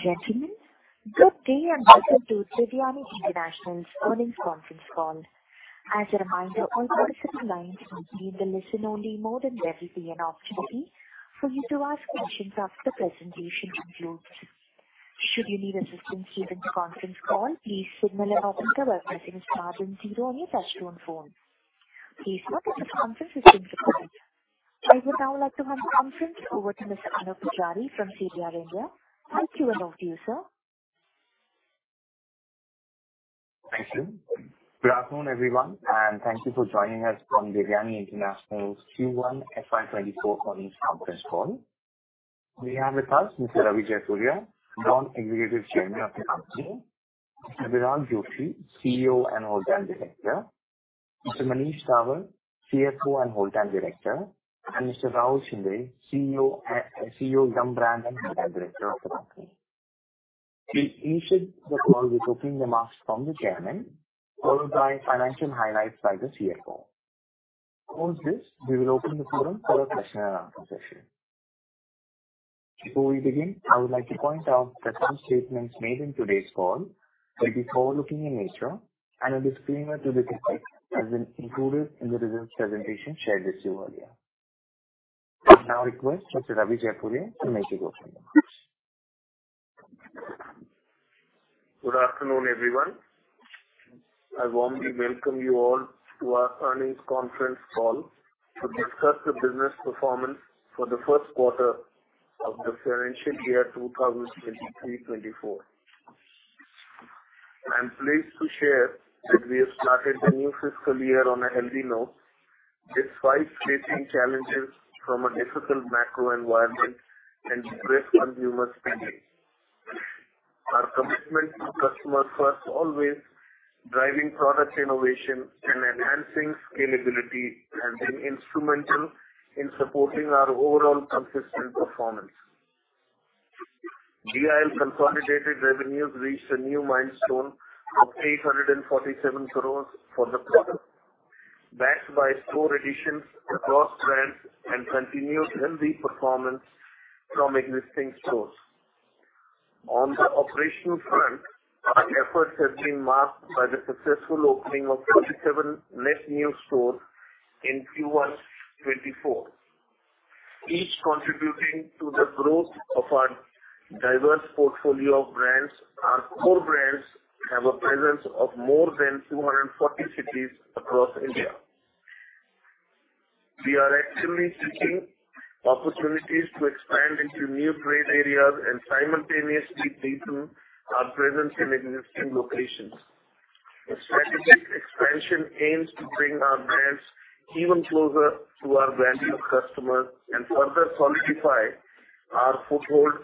Ladies and gentlemen, good day and welcome to Devyani International's Earnings Conference Call. As a reminder, all participants lines will be in the listen-only mode, and there will be an opportunity for you to ask questions after the presentation concludes. Should you need assistance during the conference call, please signal an operator by pressing star then zero on your touch-tone phone. Please note that the conference is in progress. I would now like to hand the conference over to Mr. Anup Pujari from Devyani India. Thank you, and over to you, sir. Thank you. Good afternoon, everyone, and thank you for joining us from Devyani International's Q1 FY24 Earnings Conference Call. We have with us Mr. Ravi Jaipuria, Non-Executive Chairman of the company; Mr. Viral Joshi, CEO and Whole Time Director; Mr. Manish Tawar, CFO and Whole Time Director; and Mr. Rahul Shinde, CEO and CEO, Yum! Brand and Whole Time Director of the company. We'll initiate the call with opening remarks from the chairman, followed by financial highlights by the CFO. After this, we will open the forum for a question and answer session. Before we begin, I would like to point out that some statements made in today's call will be forward-looking in nature and a disclaimer to this effect has been included in the results presentation shared with you earlier. I now request Mr. Ravi Jaipuria to make his opening remarks. Good afternoon, everyone. I warmly welcome you all to our earnings conference call to discuss the business performance for the first quarter of the financial year 2023-2024. I'm pleased to share that we have started the new fiscal year on a healthy note, despite facing challenges from a difficult macro environment and stressed consumer spending. Our commitment to customers first always, driving product innovation and enhancing scalability has been instrumental in supporting our overall consistent performance. DIL consolidated revenues reached a new milestone of 847 crore for the quarter, backed by store additions across brands and continued healthy performance from existing stores. On the operational front, our efforts have been marked by the successful opening of 37 net new stores in Q1 2024, each contributing to the growth of our diverse portfolio of brands. Our core brands have a presence of more than 240 cities across India. We are actively seeking opportunities to expand into new trade areas and simultaneously deepen our presence in existing locations. The strategic expansion aims to bring our brands even closer to our value customers and further solidify our foothold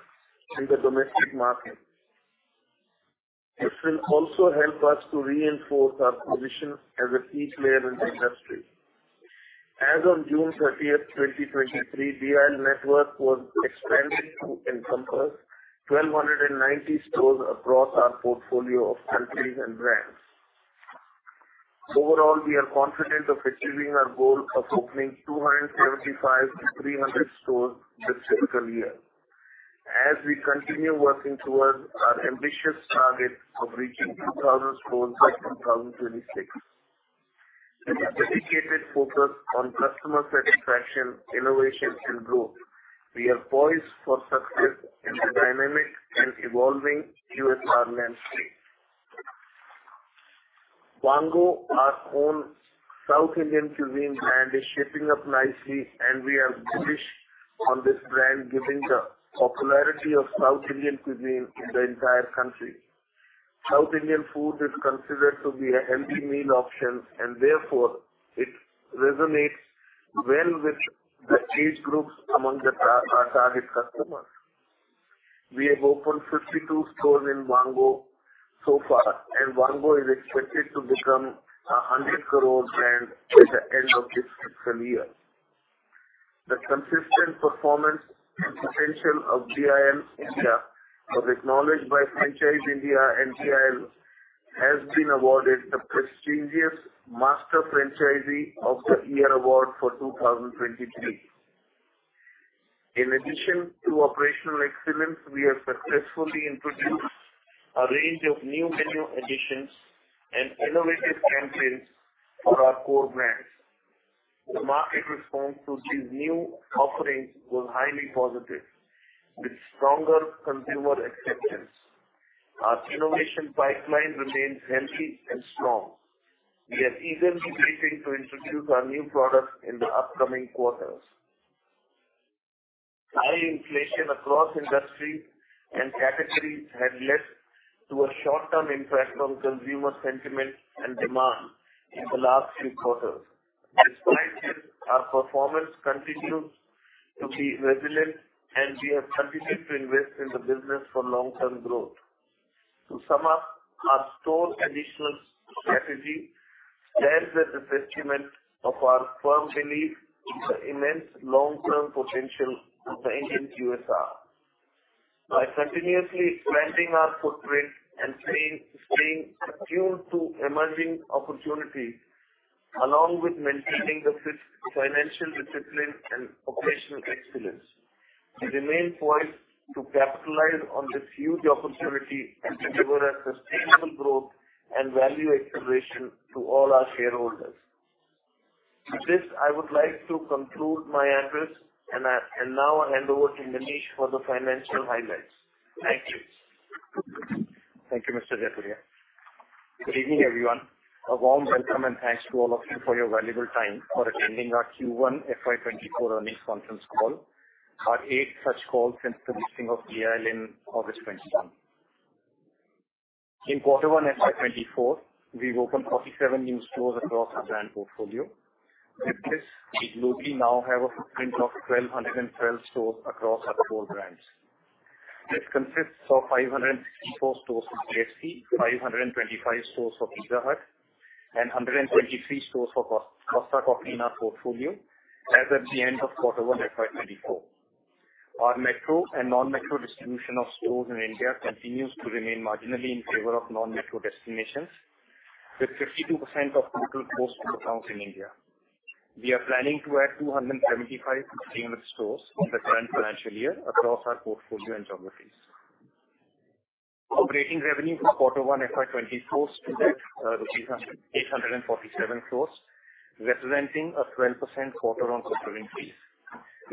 in the domestic market. This will also help us to reinforce our position as a key player in the industry. As on June 30, 2023, DIL network was expanded to encompass 1,290 stores across our portfolio of countries and brands. Overall, we are confident of achieving our goal of opening 275-300 stores this fiscal year as we continue working towards our ambitious target of reaching 2,000 stores by 2026. With a dedicated focus on customer satisfaction, innovation, and growth, we are poised for success in the dynamic and evolving QSR landscape. Vaango, our own South Indian cuisine brand, is shaping up nicely. We are bullish on this brand, giving the popularity of South Indian cuisine in the entire country. South Indian food is considered to be a healthy meal option. Therefore it resonates well with the age groups among our target customers. We have opened 52 stores in Vaango so far. Vaango is expected to become an 100 crore brand by the end of this fiscal year. The consistent performance and potential of DIL India was acknowledged by Franchise India. DIL has been awarded the prestigious Master Franchisee of the Year award for 2023. In addition to operational excellence, we have successfully introduced a range of new menu additions and innovative campaigns for our core brands. The market response to these new offerings was highly positive, with stronger consumer acceptance. Our innovation pipeline remains healthy and strong. We are eagerly waiting to introduce our new products in the upcoming quarters. High inflation across industries and categories had led to a short-term impact on consumer sentiment and demand in the last few quarters. Despite this, our performance continues to be resilient, and we are committed to invest in the business for long-term growth. To sum up, our store additional strategy stands as a testament of our firm belief in the immense long-term potential of the Indian QSR. By continuously expanding our footprint and staying attuned to emerging opportunities. Along with maintaining the financial discipline and operational excellence. We remain poised to capitalize on this huge opportunity and deliver a sustainable growth and value acceleration to all our shareholders. With this, I would like to conclude my address, and now hand over to Manish for the financial highlights. Thank you. Thank you, Mr. Ravi Jaipuria. Good evening, everyone. A warm welcome and thanks to all of you for your valuable time for attending our Q1 FY24 earnings conference call. Our eighth such call since the listing of DIL in August 2021. In Q1 FY24, we've opened 47 new stores across our brand portfolio. With this, we globally now have a footprint of 1,212 stores across our four brands. This consists of 564 stores for KFC, 525 stores for Pizza Hut, and 123 stores for Costa Coffee in our portfolio as at the end of Q1 FY24. Our metro and non-metro distribution of stores in India continues to remain marginally in favor of non-metro destinations, with 52% of total store accounts in India. We are planning to add 275-300 stores in the current financial year across our portfolio and geographies. Operating revenue for Q1 FY24 stood at INR 847 crore, representing a 12% quarter-on-quarter increase.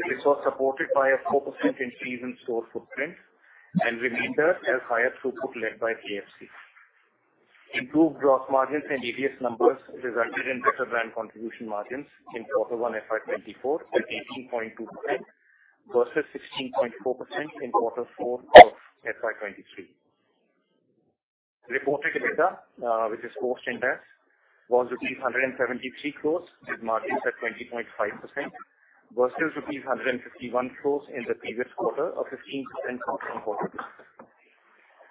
This was supported by a 4% increase in store footprint and remained as higher throughput led by KFC. Improved gross margins and ABS numbers resulted in better brand contribution margins in Q1 FY24 at 18.2% versus 16.4% in Q4 FY23. Reported EBITDA was INR 173 crore, with margins at 20.5%, versus INR 151 crore in the previous quarter of 15% quarter-on-quarter.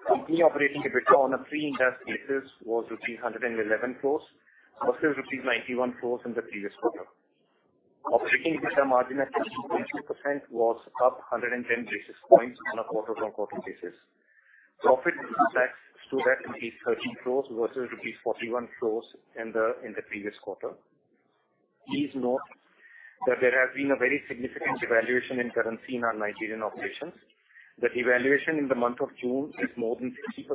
Company operating EBITDA on a pre-interest basis was 111 crore, versus 91 crore in the previous quarter. Operating EBITDA margin at 60.2% was up 110 basis points on a quarter-on-quarter basis. Profit before tax stood at rupees 13 crore versus rupees 41 crore in the previous quarter. Please note that there has been a very significant devaluation in currency in our Nigerian operations. The devaluation in the month of June is more than 50%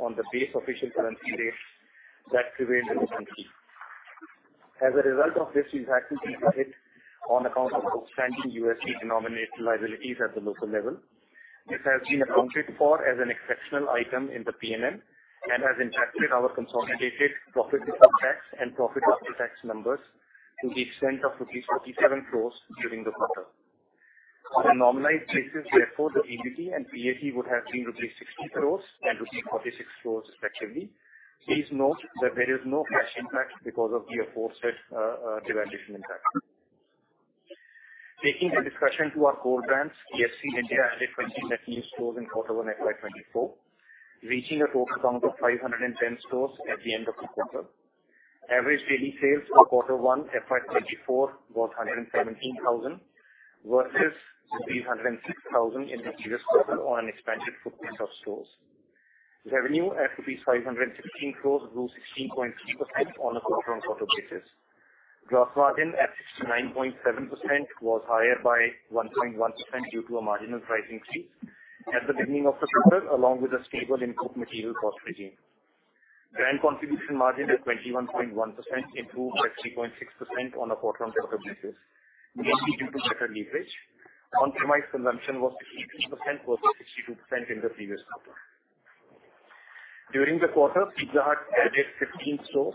on the base official currency rate that prevailed in the country. As a result of this, we've actually decided on account of outstanding USD-denominated liabilities at the local level. This has been accounted for as an exceptional item in the PNL and has impacted our consolidated profit before tax and profit after tax numbers to the extent of rupees 47 crore during the quarter. On a normalized basis, therefore, the EBT and PAT would have been rupees 60 crores and rupees 46 crores respectively. Please note that there is no cash impact because of the aforesaid devaluation impact. Taking the discussion to our core brands, KFC India added 20 net new stores in Q1 FY2024, reaching a total count of 510 stores at the end of the quarter. Average daily sales for Q1 FY2024 was 117,000, versus 106,000 in the previous quarter on an expanded footprint of stores. Revenue at rupees 516 crores grew 16.3% on a quarter-on-quarter basis. Gross margin at 69.7% was higher by 1.1% due to a marginal pricing increase at the beginning of the quarter, along with a stable input material cost regime. Brand contribution margin at 21.1% improved by 3.6% on a quarter-on-quarter basis, mainly due to better leverage. On-premise consumption was 53% versus 62% in the previous quarter. During the quarter, Pizza Hut added 15 stores.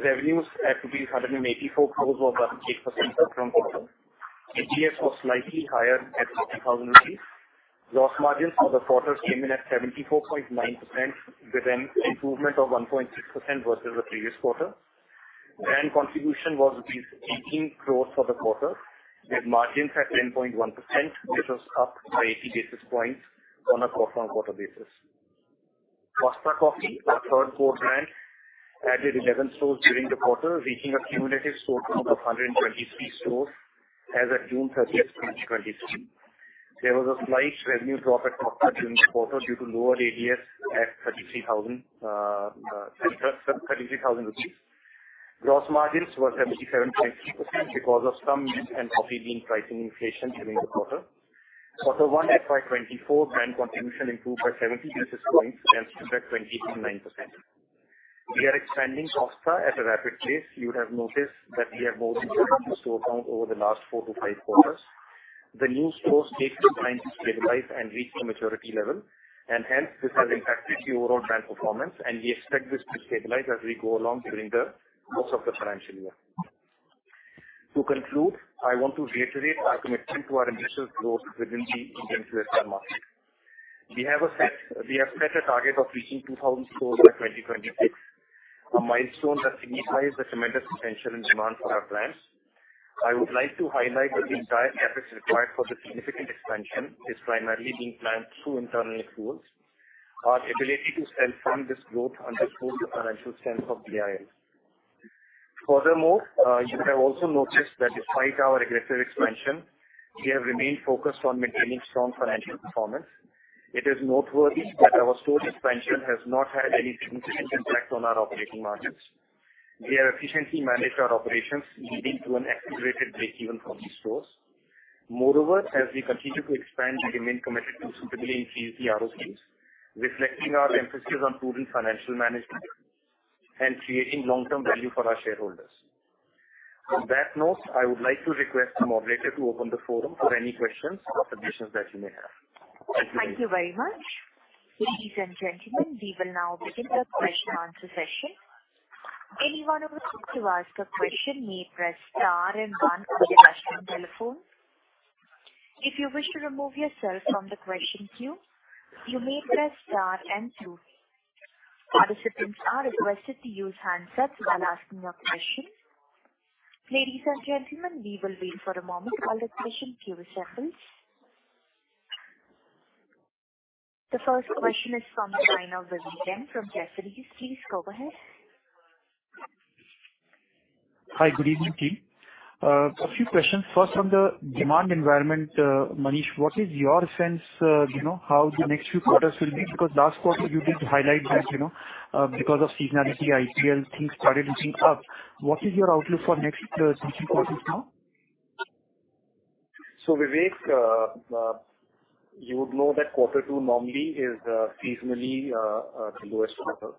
Revenues at rupees 184 crore was up 8% quarter-on-quarter. ADS was slightly higher at 40,000 rupees. Gross margins for the quarter came in at 74.9%, with an improvement of 1.6% versus the previous quarter. Brand contribution was 18 crore for the quarter, with margins at 10.1%, which was up by 80 basis points on a quarter-on-quarter basis. Costa Coffee, our third core brand, added 11 stores during the quarter, reaching a cumulative store count of 123 stores as at June 30, 2023. There was a slight revenue drop at Costa during the quarter due to lower ADS at 33,000 rupees. Gross margins were 77.3% because of some mint and coffee bean pricing inflation during the quarter. Q1 FY2024 brand contribution improved by 70 basis points and stood at 28.9%. We are expanding Costa at a rapid pace. You would have noticed that we have more than 20 store count over the last four to five quarters. The new stores take some time to stabilize and reach a maturity level, hence, this has impacted the overall brand performance, we expect this to stabilize as we go along during the course of the financial year. To conclude, I want to reiterate our commitment to our ambitious growth within the Indian QSR market. We have set a target of reaching 2,000 stores by 2026, a milestone that signifies the tremendous potential and demand for our brands. I would like to highlight that the entire CapEx required for the significant expansion is primarily being planned through internal funds. Our ability to self-fund this growth underscores the financial strength of DIL. Furthermore, you would have also noticed that despite our aggressive expansion, we have remained focused on maintaining strong financial performance.... It is noteworthy that our store expansion has not had any significant impact on our operating margins. We have efficiently managed our operations, leading to an accelerated break-even from these stores. Moreover, as we continue to expand, we remain committed to suitably increasing ROEs, reflecting our emphasis on proven financial management and creating long-term value for our shareholders. On that note, I would like to request the moderator to open the forum for any questions or suggestions that you may have. Thank you. Thank you very much. Ladies and gentlemen, we will now begin the question answer session. Anyone who wants to ask a question may press star one on your telephone. If you wish to remove yourself from the question queue, you may press star two. Participants are requested to use handsets while asking your questions. Ladies and gentlemen, we will wait for a moment while the question queue settles. The first question is from the line of Vivek Jain from Jefferies. Please go ahead. Hi, good evening, team. A few questions. First, on the demand environment, Manish, what is your sense, you know, how the next few quarters will be? Because last quarter you did highlight that, you know, because of seasonality, IPL, things started looking up. What is your outlook for next three quarters now? Vivek, you would know that quarter two normally is seasonally the lowest quarter.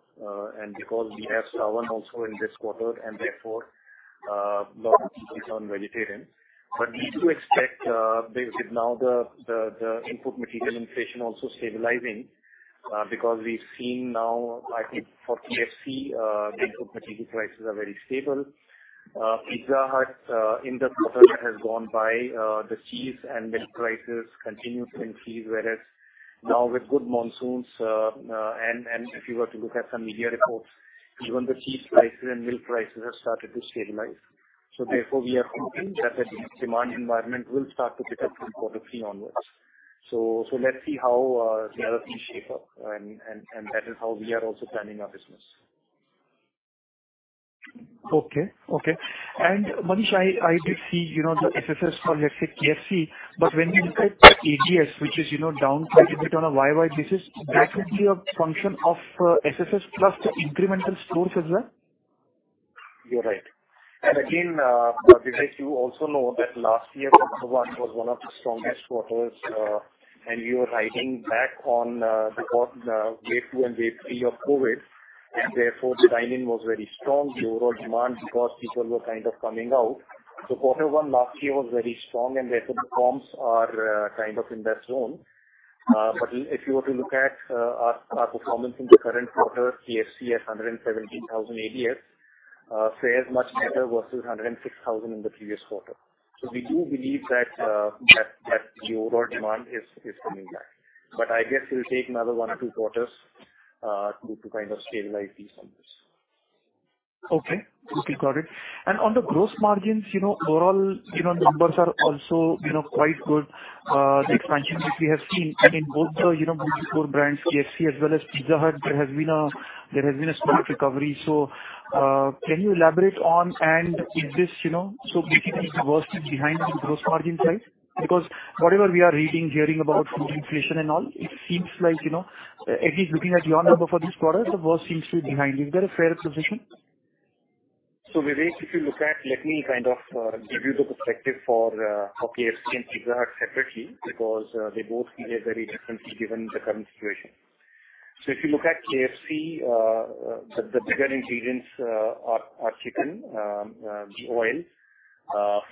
Because we have Sawan also in this quarter, and therefore, lot of focus on vegetarian. We do expect, with now the, the, the input material inflation also stabilizing, because we've seen now, I think for KFC, the input material prices are very stable. Pizza Hut, in the quarter that has gone by, the cheese and milk prices continued to increase, whereas now with good monsoons, and, and if you were to look at some media reports, even the cheese prices and milk prices have started to stabilize. Therefore, we are hoping that the demand environment will start to pick up from quarter three onwards. So let's see how the other things shape up and that is how we are also planning our business. Okay, okay. Manish, I, I did see, you know, the SSS for, let's say, KFC, but when you look at ADS, which is, you know, down quite a bit on a year-over-year basis, that would be a function of SSS plus the incremental stores as well? You're right. Again, Vivek, you also know that last year, quarter one was one of the strongest quarters, and we were riding back on, the wave 2 and wave 3 of COVID, and therefore, the dining was very strong, the overall demand, because people were kind of coming out. Quarter one last year was very strong, and therefore, the comps are, kind of in that zone. If you were to look at, our performance in the current quarter, KFC has 117,000 ADS, fare much better versus 106,000 in the previous quarter. We do believe that, that, that the overall demand is, is coming back, but I guess it will take another one or two quarters, to, to kind of stabilize these numbers. Okay. Okay, got it. On the gross margins, you know, overall, you know, the numbers are also, you know, quite good. The expansion which we have seen in both the, you know, core brands, KFC as well as Pizza Hut, there has been a strong recovery. Can you elaborate on and is this, you know, so basically the worst is behind the gross margin side? Whatever we are reading, hearing about food inflation and all, it seems like, you know, at least looking at your number for this quarter, the worst seems to be behind you. Is that a fair position? Vivek, if you look at... Let me kind of give you the perspective for KFC and Pizza Hut separately, because they both behave very differently given the current situation. If you look at KFC, the, the bigger ingredients are chicken, oil,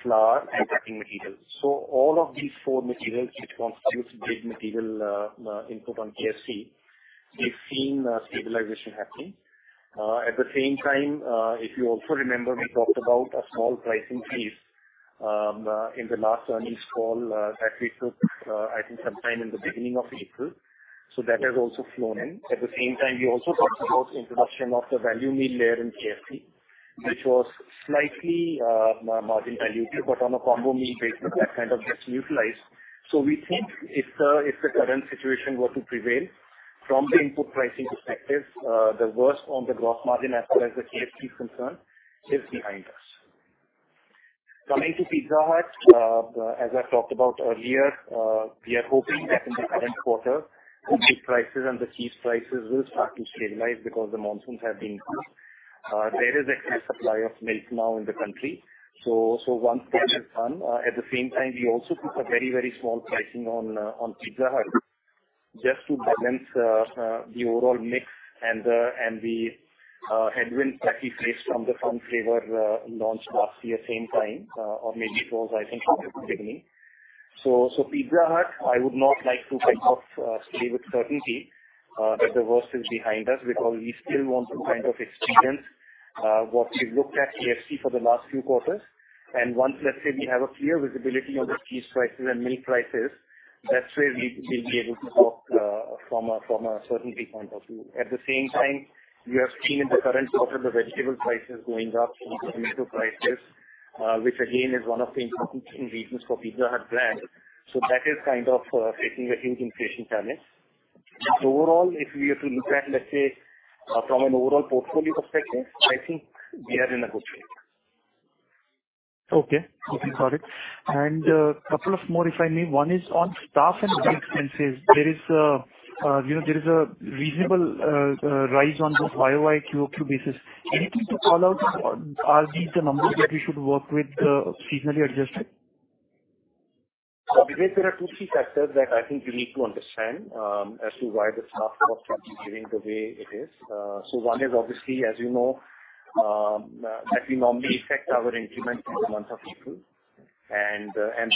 flour, and packing materials. All of these four materials, which constitutes big material input on KFC, we've seen a stabilization happening. At the same time, if you also remember, we talked about a small pricing increase in the last earnings call that we took, I think sometime in the beginning of April. That has also flown in. At the same time, we also talked about introduction of the value meal layer in KFC, which was slightly margin dilutive, but on a combo meal basis, that kind of gets neutralized. We think if the, if the current situation were to prevail from the input pricing perspective, the worst on the gross margin as well as the KFC concern is behind us. Coming to Pizza Hut, as I talked about earlier, we are hoping that in the current quarter, the beef prices and the cheese prices will start to stabilize because the monsoons have been good. There is a clear supply of milk now in the country, so one point is done. At the same time, we also keep a very, very small pricing on Pizza Hut, just to balance the overall mix and the headwind that we faced from the fun flavor, launched last year, same time, or maybe it was, I think, in the beginning. Pizza Hut, I would not like to kind of say with certainty that the worst is behind us, because we still want to kind of experience what we looked at KFC for the last few quarters. Once, let's say, we have a clear visibility on the cheese prices and milk prices, that's where we will be able to talk from a certainty point of view. At the same time, we have seen in the current quarter the vegetable prices going up, and tomato prices, which again is one of the important ingredients for Pizza Hut brand. That is kind of, taking a huge inflation challenge. Overall, if we were to look at, let's say, from an overall portfolio perspective, I think we are in a good shape. Okay, okay, got it. Couple of more, if I may. One is on staff and expenses. There is a, you know, there is a reasonable, rise on both YoY QoQ basis. Anything to call out on, are these the numbers that we should work with, seasonally adjusted? Vivek, there are two key factors that I think you need to understand as to why the staff cost is behaving the way it is. One is obviously, as you know, we normally affect our increment in the month of April.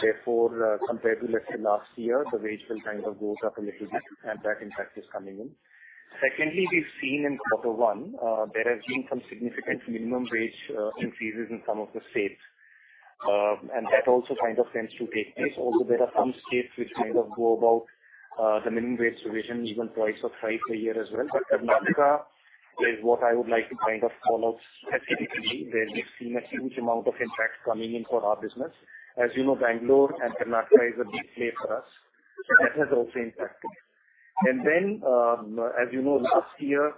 Therefore, compared to, let's say, last year, the wage bill kind of goes up a little bit, and that impact is coming in. Secondly, we've seen in Q1, there has been some significant minimum wage increases in some of the states. That also kind of tends to take place, although there are some states which kind of go about the minimum wage revision even twice or thrice a year as well. Karnataka is what I would like to kind of call out specifically, where we've seen a huge amount of impact coming in for our business. As you know, Bangalore and Karnataka is a big player for us, and that has also impacted. Then, as you know, last year,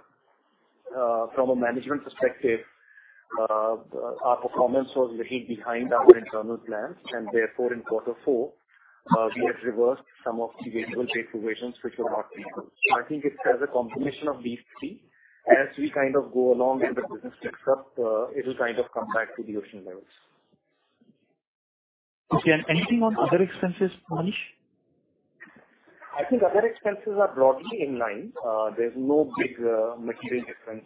from a management perspective, our performance was little behind our internal plans, and therefore, in quarter four, we have reversed some of the variable pay provisions which were not paid. I think it has a combination of these three. As we kind of go along and the business picks up, it will kind of come back to the original levels. Okay, anything on other expenses, Manish? I think other expenses are broadly in line. There's no big, material difference,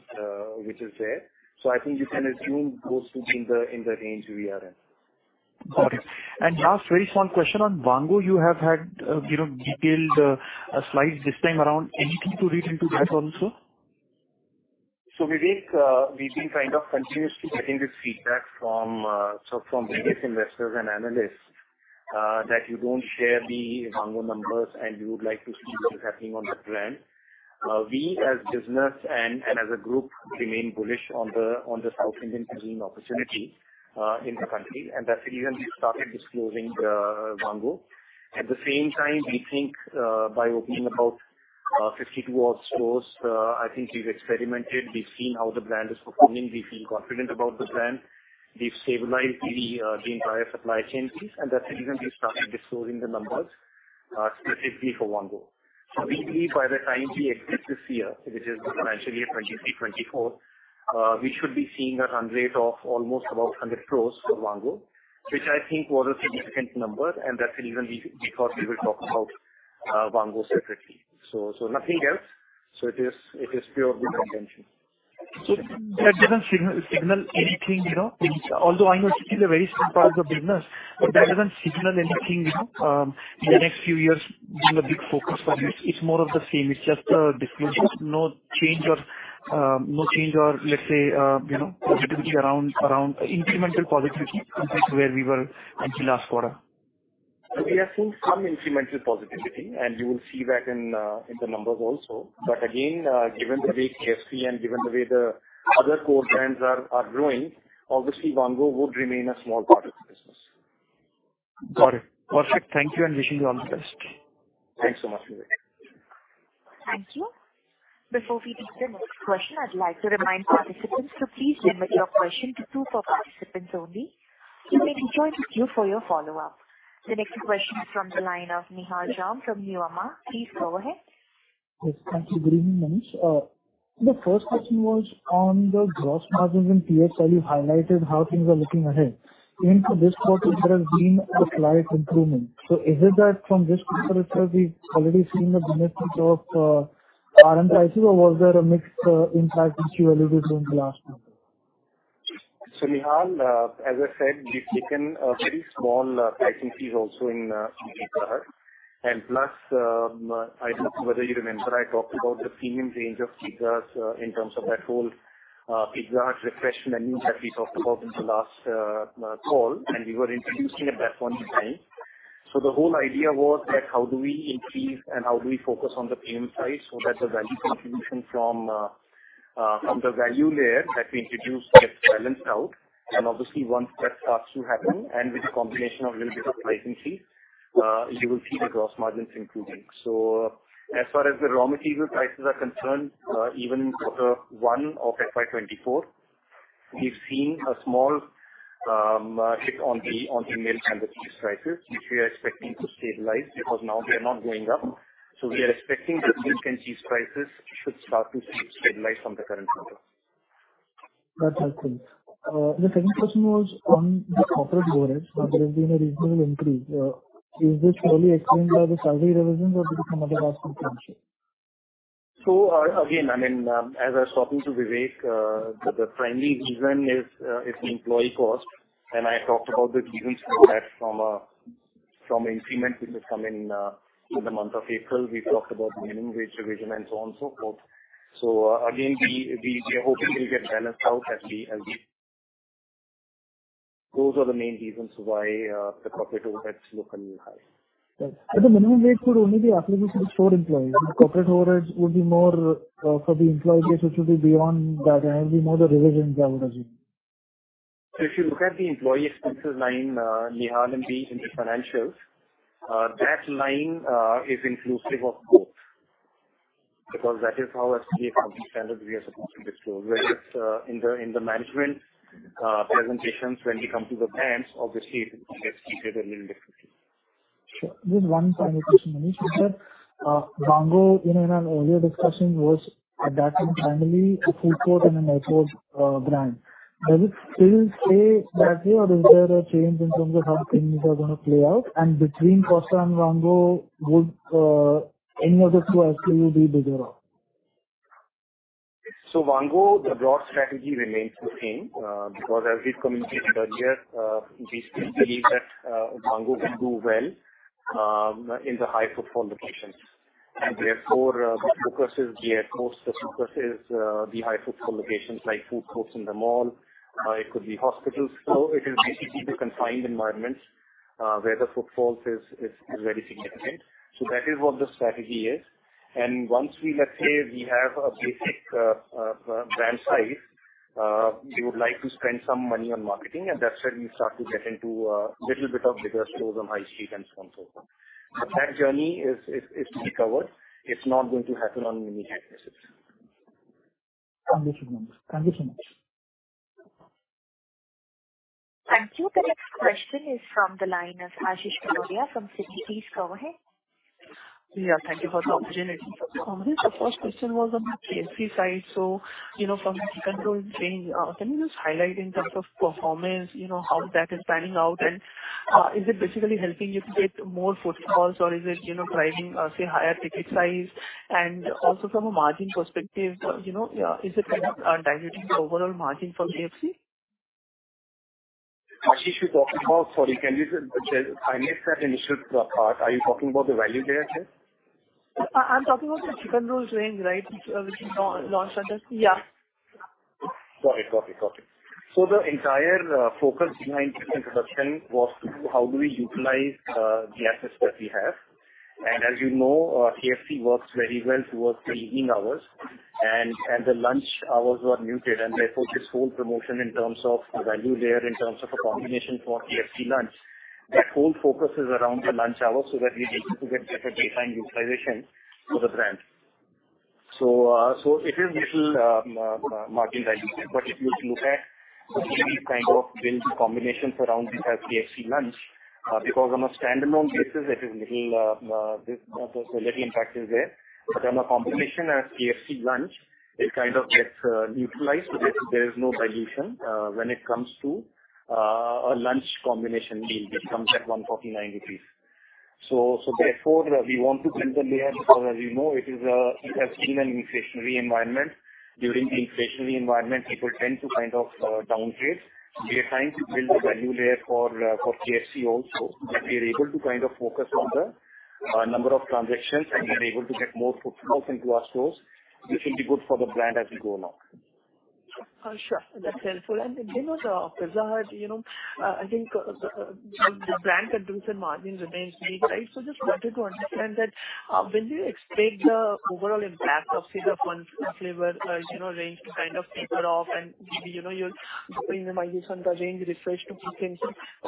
which is there. I think you can assume those to be in the, in the range we are in. Got it. Last, very small question on Vaango. You have had, you know, detailed, slides this time around. Anything to read into that also? Vivek, we've been kind of continuously getting this feedback from various investors and analysts that you don't share the Vaango numbers and you would like to see things happening on the brand. We as business and as a group remain bullish on the South Indian cuisine opportunity in the country, and that's the reason we started disclosing the Vaango. At the same time, we think, by opening about 52 odd stores, I think we've experimented. We've seen how the brand is performing. We feel confident about the brand. We've stabilized the entire supply chain piece, and that's the reason we started disclosing the numbers specifically for Vaango. We believe by the time we exit this year, which is the Financial Year 2023-2024, we should be seeing a run rate of almost about 100 crore for Vaango, which I think was a significant number, and that's the reason we, we thought we will talk about Vaango separately. Nothing else. It is, it is pure good intention. That doesn't signal, signal anything, you know? Although I know it is a very small part of the business, but that doesn't signal anything, you know, in the next few years being a big focus for you. It's more of the same. It's just a disclosure, no change or, no change or let's say, you know, positivity around, around... Incremental positivity compared to where we were until last quarter. We are seeing some incremental positivity, and you will see that in, in the numbers also. Again, given the way KFC and given the way the other core brands are growing, obviously Vaango would remain a small part of the business. Got it. Perfect. Thank you, and wishing you all the best. Thanks so much, Vivek. Thank you. Before we take the next question, I'd like to remind participants to please limit your question to two per participants only. You may rejoin the queue for your follow-up. The next question is from the line of Nihal Jhamtanifrom Nuvama. Please go ahead. Yes, thank you. Good evening, Manish. The first question was on the gross margins in Pizza Hut, you highlighted how things are looking ahead. In this quarter, there has been a slight improvement. Is it that from this quarter itself, we've already seen the benefits of raw material prices, or was there a mixed impact which you alluded to in the last quarter? Nihal, as I said, we've taken a very small price increase also in Pizza Hut, and plus, I don't know whether you remember, I talked about the premium range of pizzas, in terms of that whole Pizza Hut refreshment and new categories I talked about in the last call, and we were introducing at that point in time. The whole idea was that how do we increase and how do we focus on the premium side so that the value contribution from the value layer that we introduced gets balanced out. Obviously, once that starts to happen, and with the combination of little bit of price increase, you will see the gross margins improving. As far as the raw material prices are concerned, even in Q1 FY2024, we've seen a small hit on the, on the milk and the cheese prices, which we are expecting to stabilize because now they are not going up. We are expecting that milk and cheese prices should start to stabilize from the current quarter. That's helpful. The second question was on the corporate overhead, where there has been a reasonable increase. Is this purely explained by the salary revision or is it some other basket function? Again, I mean, as I was talking to Vivek, the primary reason is the employee cost, and I talked about the reasons for that from increment which is coming in the month of April. We talked about minimum wage revision and so on, so forth. Again, we are hoping to get balanced out as we. Those are the main reasons why the corporate overheads look a little high. Right. The minimum wage could only be applicable to the store employees. The corporate overheads would be more, for the employee base, which will be beyond that, and it will be more the revisions, I would assume. If you look at the employee expenses line, Nihal, in the financials, that line is inclusive of both. Because that is how as we accounting standard, we are supposed to disclose, whether it's in the management presentations, when we come to the brands, obviously, it gets treated a little differently. Sure. Just one final question, Manish. That, Vaango, you know, in our earlier discussion, was at that time, finally, a food court and an airport brand. Does it still stay that way, or is there a change in terms of how things are gonna play out? Between Costa and Vaango, would any of the two actually be bigger up? Vaango, the broad strategy remains the same, because as we've communicated earlier, we still believe that Vaango can do well in the high footfall locations. Therefore, the focus is there. Most the focus is the high footfall locations, like food courts in the mall, it could be hospitals. It is basically the confined environments, where the footfalls is very significant. That is what the strategy is. Once we... Let's say we have a basic brand size, we would like to spend some money on marketing, and that's when we start to get into a little bit of bigger stores on high street and so on, so forth. That journey is to be covered. It's not going to happen on many campuses. Understood, Manish. Thank you so much. Thank you. The next question is from the line of Ashish Kanodia from Citi. Please go ahead. Yeah, thank you for the opportunity. Manish, the first question was on the KFC side. From chicken rolls range, you know, can you just highlight in terms of performance, you know, how that is panning out? Is it basically helping you to get more footfalls, or is it, you know, driving, say, higher ticket size? Also from a margin perspective, you know, yeah, is it kind of diluting the overall margin for KFC? Ashish, you're talking about... Sorry, can you just isolate that initial part? Are you talking about the value layer here? I'm talking about the chicken rolls range, right, which, which you launched earlier. Yeah. Got it. Got it. Got it. The entire focus behind this introduction was to how do we utilize the assets that we have. And as you know, KFC works very well towards the evening hours, and, and the lunch hours were muted, and therefore, this whole promotion in terms of the value layer, in terms of a combination for KFC lunch, that whole focus is around the lunch hour, so that we're able to get better daytime utilization for the brand. It is little margin dilution, but if you look at the kind of build combinations around this as KFC lunch, because on a standalone basis, it is little little impact is there. On a combination as KFC lunch, it kind of gets neutralized, so there, there is no dilution when it comes to a lunch combination meal that comes at 149 rupees. Therefore, we want to build the layer, because as you know, it has been an inflationary environment. During the inflationary environment, people tend to kind of downgrade. We are trying to build a value layer for KFC also, that we are able to kind of focus on the number of transactions, and we're able to get more footfalls into our stores. This will be good for the brand as we go along. Sure. That's helpful. Then, you know, Pizza Hut, you know, I think, the, the brand contribution margin remains weak, right? Just wanted to understand that, when do you expect the overall impact of say the fun flavor, you know, range to kind of taper off and maybe, you know, you minimize on the range refresh to kick in.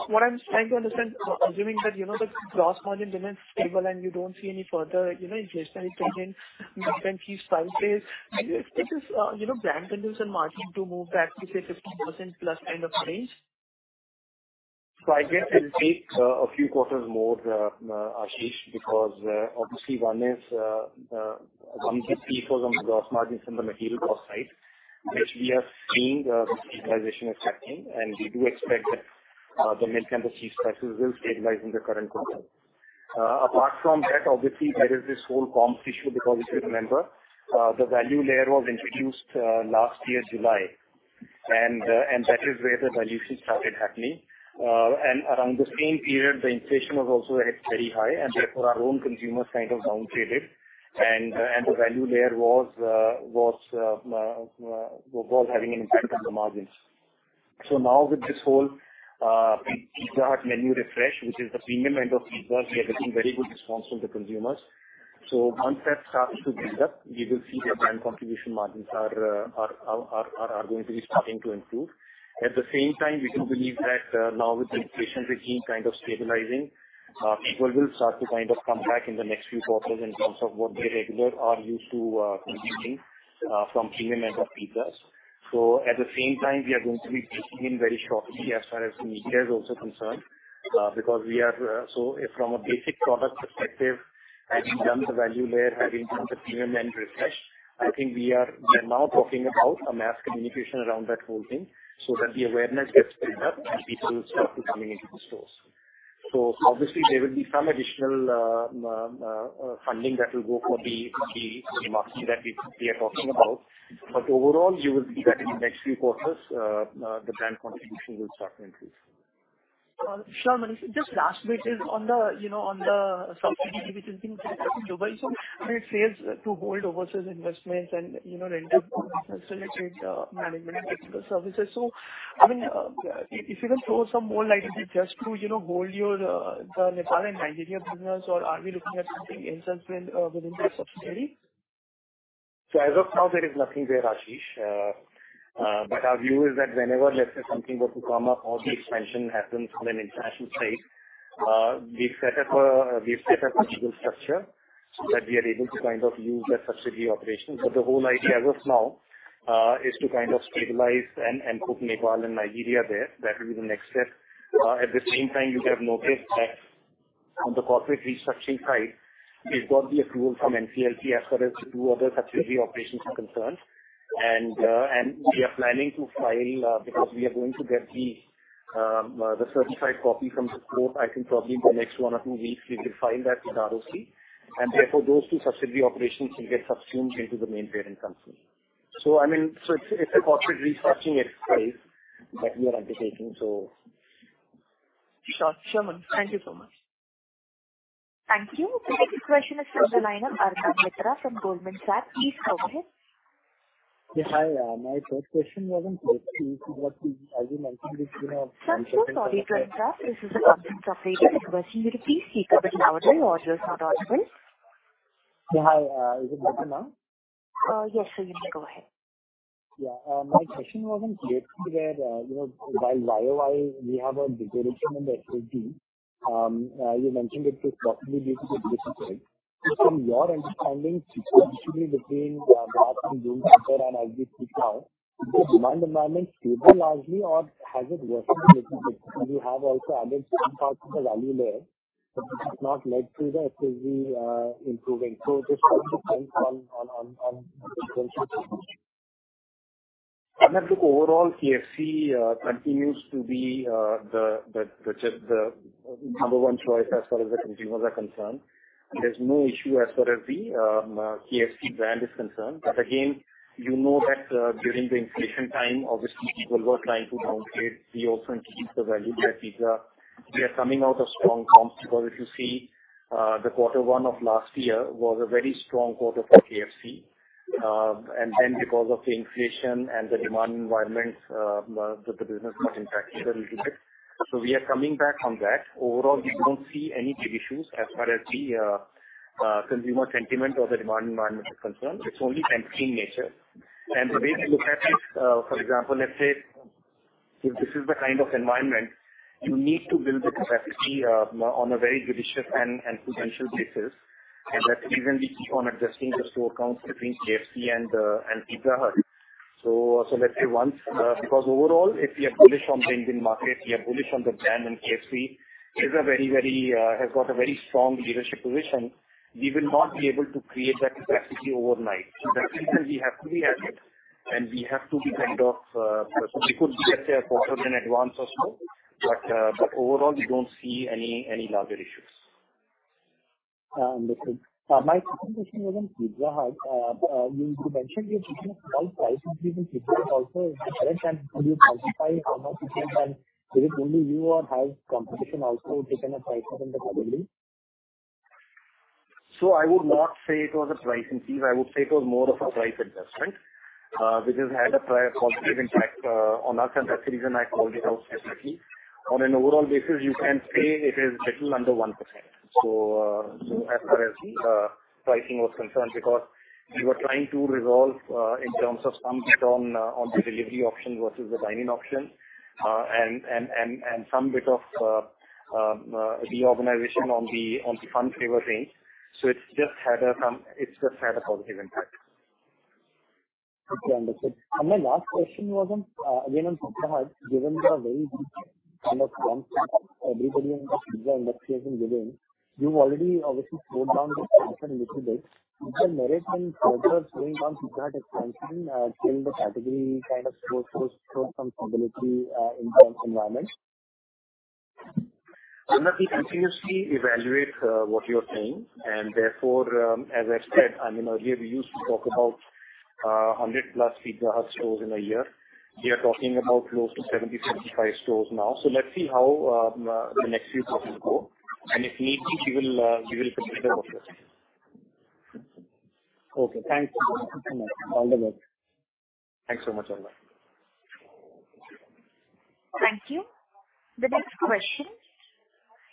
What I'm trying to understand, assuming that, you know, the gross margin remains stable and you don't see any further, you know, inflationary trends in milk and cheese prices, do you expect this, you know, brand contribution margin to move back to, say, 50% plus kind of range? I guess it'll take a few quarters more, Ashish, because obviously one is, we see from the gross margins and the material cost side, which we are seeing stabilization is happening, and we do expect that the milk and the cheese prices will stabilize in the current quarter. Apart from that, obviously, there is this whole comps issue, because if you remember, the value layer was introduced last year, July, and that is where the dilution started happening. Around the same period, the inflation was also at very high, and therefore, our own consumers kind of downgraded, and the value layer was having an impact on the margins. Now with this whole Pizza Hut menu refresh, which is the premium end of Pizza Hut, we are getting very good response from the consumers. Once that starts to build up, we will see the brand contribution margins are going to be starting to improve. At the same time, we do believe that now with the inflation regime kind of stabilizing, people will start to kind of come back in the next few quarters in terms of what they regular are used to consuming from premium end of pizzas. At the same time, we are going to be kicking in very shortly as far as the media is also concerned, because we are. From a basic product perspective, having done the value layer, having done the premium end refresh, I think we are now talking about a mass communication around that whole thing so that the awareness gets built up and people start to coming into the stores. Obviously there will be some additional funding that will go for the marketing that we are talking about. Overall, you will see that in the next few quarters, the brand contribution will start to increase. Sure, Manish. Just last bit is on the, you know, on the subsidiary, which is Being Global. It fails to hold overseas investments and, you know, related management services. I mean, if you can throw some more light, it's just to, you know, hold your, the Nepal and Nigeria business, or are we looking at something else in, within the subsidiary? As of now, there is nothing there, Ashish. But our view is that whenever, let's say, something were to come up or the expansion happens on an international site, we've set up a, we've set up a legal structure that we are able to kind of use that subsidiary operation. But the whole idea as of now, is to kind of stabilize and, and put Nepal and Nigeria there. That will be the next step. At the same time, you would have noticed that on the corporate restructuring side, we've got the approval from NCLT as far as the two other subsidiary operations are concerned. We are planning to file because we are going to get the certified copy from the court, I think probably in the next one or two weeks, we will file that with ROC. Therefore, those two subsidiary operations will get subsumed into the main parent company. I mean, it's a corporate restructuring exercise that we are undertaking. Sure, sure, thank you so much. Thank you. The next question is from the line of Arnab Mitra from Goldman Sachs. Please go ahead. Yeah, hi, my first question was on- Sir, I'm so sorry to interrupt. This is a conference operator. Could you please speak a bit louder? Audio is not audible. Yeah, hi, is it better now? Yes, sir. You may go ahead. Yeah, my question was on KFC where, you know, while YoY we have a deterioration in the FOM. You mentioned it is possibly due to the competition. From your understanding, between Pizza Hut and KFC, is the demand environment stable largely or has it worsened? We have also added some parts of the value layer, but this has not led to the FCV improving. This. The overall KFC continues to be the number 1 choice as far as the consumers are concerned. There's no issue as far as the KFC brand is concerned. Again, you know that during the inflation time, obviously people were trying to downgrade. We also increased the value at Pizza. We are coming out of strong comps, because if you see, the Q1 of last year was a very strong quarter for KFC. Then because of the inflation and the demand environment, the business got impacted a little bit. We are coming back on that. Overall, we don't see any big issues as far as the consumer sentiment or the demand environment is concerned. It's only temporary in nature. The way to look at it, for example, let's say if this is the kind of environment, you need to build the capacity, on a very judicious and potential basis, and that's the reason we keep on adjusting the store counts between KFC and Pizza Hut. Let's say once, because overall, if we are bullish on the Indian market, we are bullish on the brand, and KFC is a very, has got a very strong leadership position, we will not be able to create that capacity overnight. That reason we have to be agile and we have to be. We could get there a quarter in advance or so, overall, we don't see any larger issues. Understood. My 2nd question was on Pizza Hut. You mentioned you're keeping a small price increase in Pizza Hut also, is it correct? Could you quantify how much it is, and is it only you or has competition also taken a price hike in the category? I would not say it was a price increase. I would say it was more of a price adjustment, which has had a positive impact on us, and that's the reason I called it out specifically. On an overall basis, you can say it is little under 1%. As far as pricing was concerned, because we were trying to resolve in terms of some bit on the delivery option versus the dine-in option, and, and, and, and some bit of reorganization on the fun flavor range. It's just had a, some... It's just had a positive impact. Okay, understood. My last question was on, again, on Pizza Hut. Given the very deep kind of everybody in the Pizza industry has been giving, you've already obviously slowed down the expansion little bit. The merit from further slowing down Pizza Hut expansion, till the category kind of shows some stability, in current environment? We continuously evaluate, what you're saying, and therefore, as I said, I mean, earlier we used to talk about, 100+ Pizza Hut stores in a year. We are talking about close to 70-75 stores now. Let's see how the next few quarters go, and if need be, we will, we will consider about this. Okay, thanks. All the best. Thanks so much. Thank you. The next question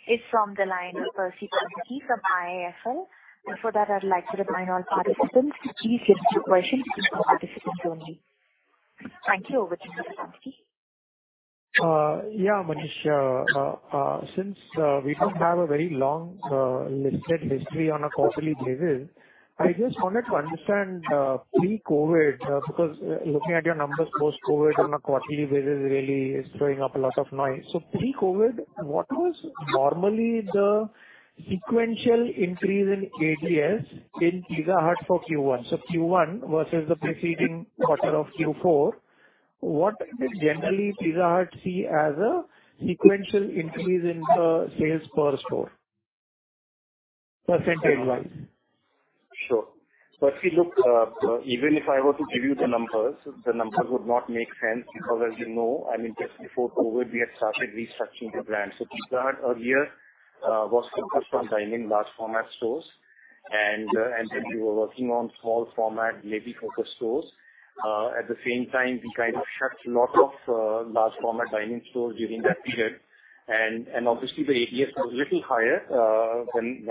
is from the line of Percy Panthaki from IIFL. Before that, I'd like to remind all participants to please limit your questions to one question only. Thank you. Over to you, Percy. Yeah, Manish, since we don't have a very long, listed history on a quarterly basis, I just wanted to understand pre-COVID, because looking at your numbers post-COVID on a quarterly basis really is throwing up a lot of noise. Pre-COVID, what was normally the sequential increase in ADS in Pizza Hut for Q1? Q1 versus the preceding quarter of Q4, what did generally Pizza Hut see as a sequential increase in sales per store, percentage-wise? Sure, even if I were to give you the numbers, the numbers would not make sense, because as you know, just before COVID, we had started restructuring the brand. So Pizza Hut earlier was focused on dine-in, large format stores, and then we were working on small format, delivery-focused stores. At the same time, we kind of shut a lot of large format dine-in stores during that period. And obviously, the ADS was a little higher when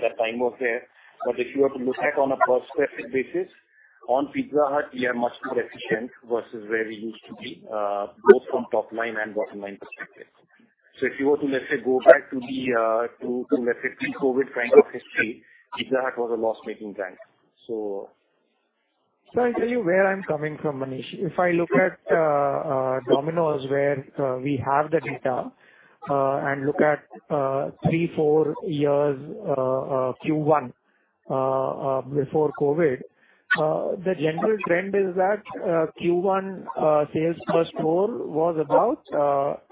that time was there. But if you were to look at on a prospective basis, on Pizza Hut, we are much more efficient versus where we used to be, both from top line and bottom line perspective if you were to, let's say, go back to the, to, to, let's say, pre-COVID kind of history, Pizza Hut was a loss-making bank. I tell you where I'm coming from, Manish. If I look at Domino's, where we have the data, and look at three-four years, Q1 before COVID, the general trend is that Q1 sales first floor was about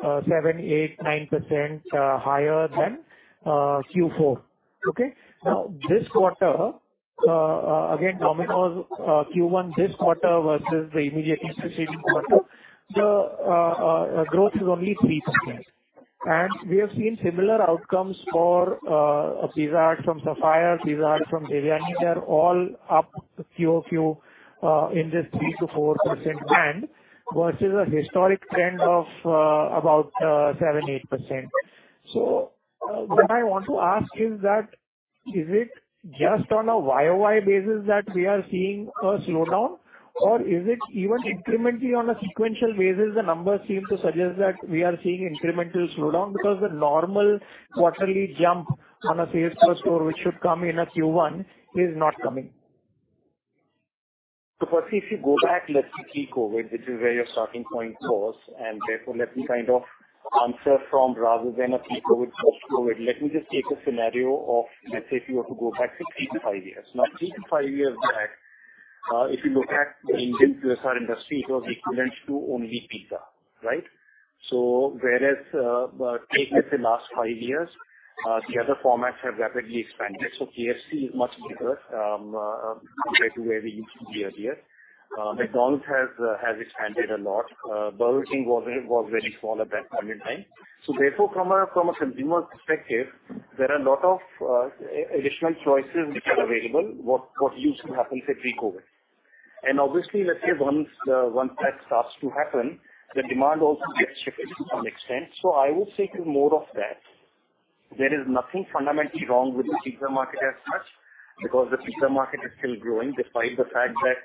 7%-9% higher than Q4. Okay? Now, this quarter, again Domino's, Q1 this quarter versus the immediately preceding quarter, the growth is only 3%. We have seen similar outcomes for Pizza Hut from Sapphire, Pizza Hut from Devyani. They're all up QOQ in this 3%-4% band, versus a historic trend of about 7%-8%. What I want to ask is that, is it just on a YoY basis that we are seeing a slowdown, or is it even incrementally on a sequential basis, the numbers seem to suggest that we are seeing incremental slowdown because the normal quarterly jump on a sales per store, which should come in a Q1, is not coming. Percy, if you go back, let's say, pre-COVID, which is where your starting point was, therefore, let me kind of answer from rather than a pre-COVID, post-COVID. Let me just take a scenario of, let's say, if you were to go back to three to five years. Now, three to five years back, if you look at the Indian QSR industry, it was equivalent to only pizza, right? Whereas, take, let's say, last five years, the other formats have rapidly expanded. KFC is much bigger compared to where we used to be earlier. McDonald's has expanded a lot. Burger King was very small at that point in time. Therefore, from a, from a consumer perspective, there are a lot of additional choices which are available, what, what used to happen, say, pre-COVID. Obviously, let's say once once that starts to happen, the demand also gets shifted to some extent. I would say to more of that, there is nothing fundamentally wrong with the pizza market as such, because the pizza market is still growing, despite the fact that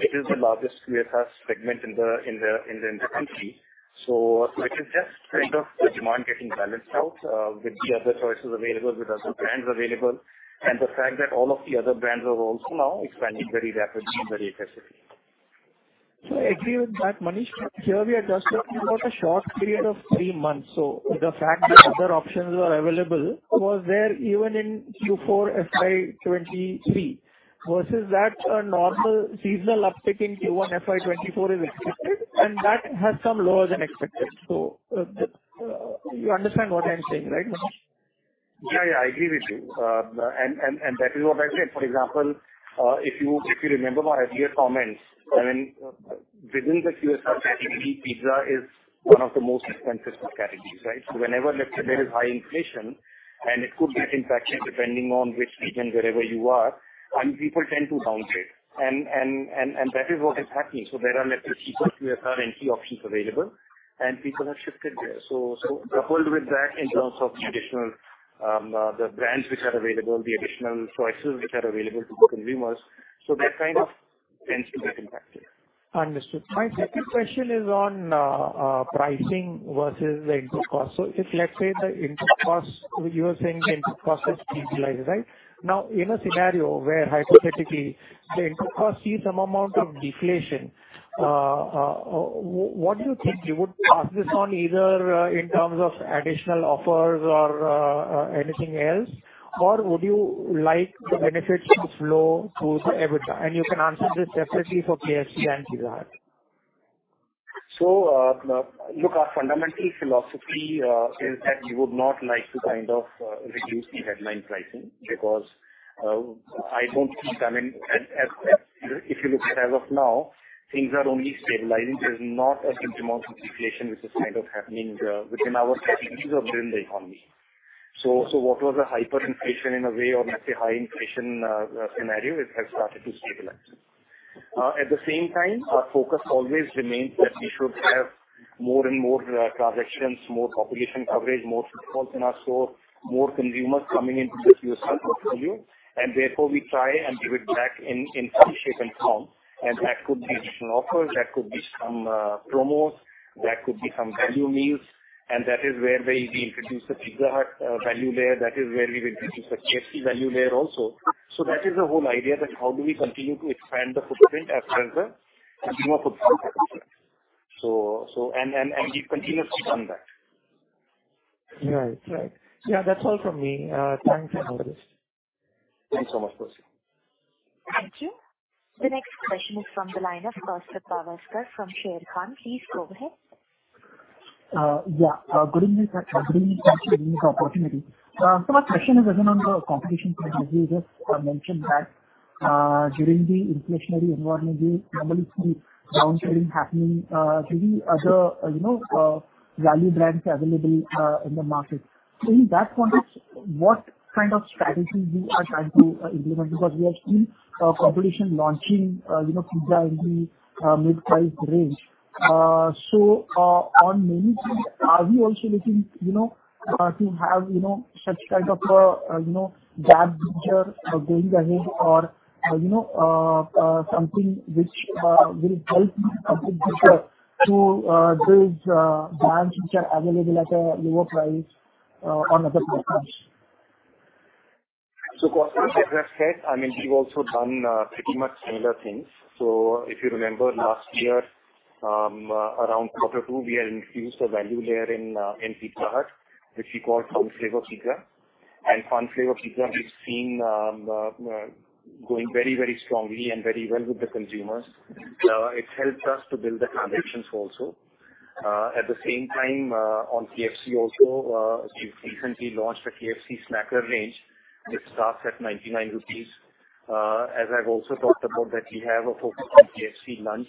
it is the largest QSR segment in the, in the, in the country. It is just kind of the demand getting balanced out, with the other choices available, with other brands available, and the fact that all of the other brands are also now expanding very rapidly and very aggressively. I agree with that, Manish. Here we are just talking about a short period of three months. The fact that other options were available was there even in Q4 FY 2023, versus that a normal seasonal uptick in Q1 FY 2024 is expected, and that has come lower than expected. You understand what I'm saying, right, Manish? Yeah, yeah, I agree with you. And, and that is what I said. For example, if you, if you remember my earlier comments, I mean, within the QSR category, pizza is one of the most expensive categories, right? Whenever, let's say, there is high inflation, and it could be impacted depending on which region, wherever you are, and people tend to bounce it. And, and, and that is what is happening. There are let's say cheaper QSR and key options available, and people have shifted there. Coupled with that, in terms of the additional, the brands which are available, the additional choices which are available to consumers, so that kind of tends to get impacted. Understood. My second question is on pricing versus the input cost. So if let's say the input cost, you are saying the input cost is stabilized, right? Now, in a scenario where hypothetically, the input cost see some amount of deflation, what do you think you would pass this on either in terms of additional offers or anything else? Or would you like the benefits to flow through the EBITDA? And you can answer this separately for KFC and Pizza Hut? Look, our fundamental philosophy is that we would not like to kind of reduce the headline pricing, because, I don't think, I mean, if you look at as of now, things are only stabilizing. There's not a symptom of inflation, which is kind of happening within our categories or within the economy. What was the hyperinflation in a way, or let's say, high inflation scenario, it has started to stabilize. At the same time, our focus always remains that we should have more and more transactions, more population coverage, more footfalls in our store, more consumers coming into the QSR value. Therefore, we try and give it back in, in some shape and form, and that could be additional offers, that could be some promos, that could be some value meals, and that is where we, we introduced the Pizza Hut value layer. That is where we introduced the KFC value layer also. That is the whole idea, that how do we continue to expand the footprint as well as the newer footprint? We continuously done that. Right. Right. Yeah, that's all from me. Thanks a lot. Thanks so much, Percy. Thank you. The next question is from the line of Kaustubh Pawaskar from Sharekhan. Please go ahead. Yeah, good evening, good evening. Thanks for giving me this opportunity. My question is, as on the competition front, as you just mentioned that during the inflationary environment, we normally see downscaling happening to the other, you know, value brands available in the market. In that context, what kind of strategies you are trying to implement? Because we have seen competition launching, you know, pizza in the mid-price range. On menu, are you also looking, you know, to have, you know, such type of, you know, gap feature going ahead or, you know, something which will help to those brands which are available at a lower price on other platforms? As I just said, I mean, we've also done pretty much similar things. If you remember last year, around Q2, we had infused a value layer in Pizza Hut, which we call Fun Flavor Pizza. Fun Flavor Pizza, we've seen going very, very strongly and very well with the consumers. It helps us to build the transactions also. At the same time, on KFC also, we've recently launched a KFC Snacker Range, which starts at 99 rupees. As I've also talked about that, we have a focus on KFC Lunch,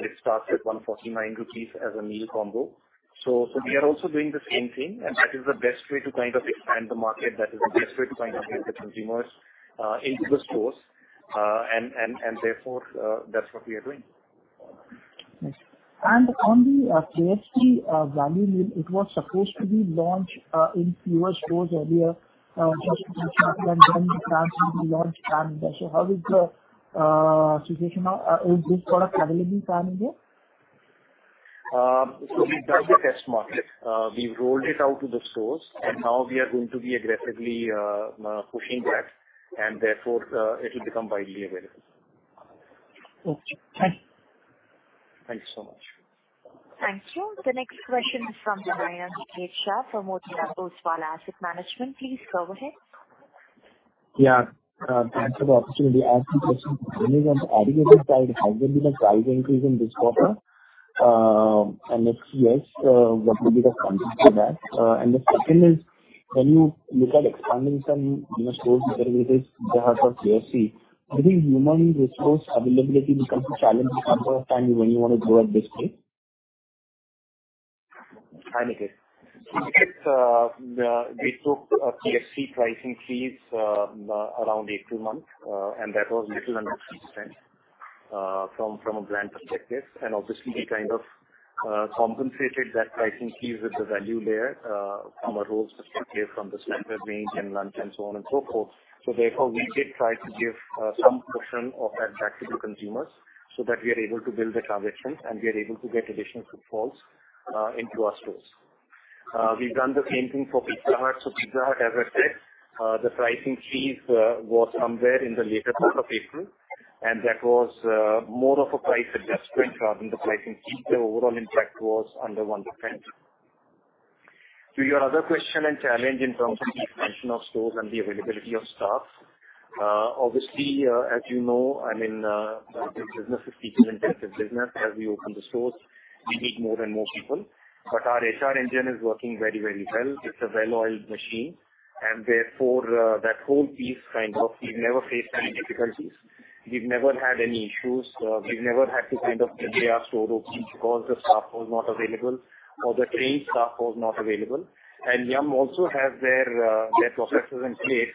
which starts at 149 rupees as a meal combo. We are also doing the same thing, and that is the best way to kind of expand the market. That is the best way to kind of get the consumers, into the stores. Therefore, that's what we are doing. On the KFC value meal, it was supposed to be launched in fewer stores earlier, so how is the situation now? Is this product available in plan yet? We've done the test market. We've rolled it out to the stores, and now we are going to be aggressively pushing that, and therefore, it'll become widely available. Okay, thank you. Thank you so much. Thank you. The next question is from Deven Shah from Motilal Oswal Asset Management. Please go ahead. Yeah, thanks for the opportunity. I have some questions. One is, on the aggregate side, has there been a price increase in this quarter? If yes, what will be the function for that? The second is, when you look at expanding some, you know, stores, whether it is the heart of KFC, do you think human resource availability becomes a challenge after a time when you want to grow at this stage? Hi, Deven. Deven, we took a KFC pricing fees, around April month, and that was little under 6%, from, from a brand perspective. Obviously, we kind of, compensated that pricing fees with the value there, from a whole perspective, from the Snacker range and lunch and so on and so forth. Therefore, we did try to give, some portion of that back to the consumers so that we are able to build the transactions, and we are able to get additional footfalls, into our stores. We've done the same thing for Pizza Hut. Pizza Hut, as I said, the pricing fees, was somewhere in the later part of April, and that was, more of a price adjustment rather than the pricing fee. The overall impact was under 1%. To your other question and challenge in terms of the expansion of stores and the availability of staff, obviously, as you know, I mean, this business is people-intensive business. As we open the stores, we need more and more people, but our HR engine is working very, very well. It's a well-oiled machine, and therefore, that whole piece kind of we've never faced any difficulties. We've never had any issues. We've never had to kind of delay our store opening because the staff was not available or the trained staff was not available. Yum! also have their processes in place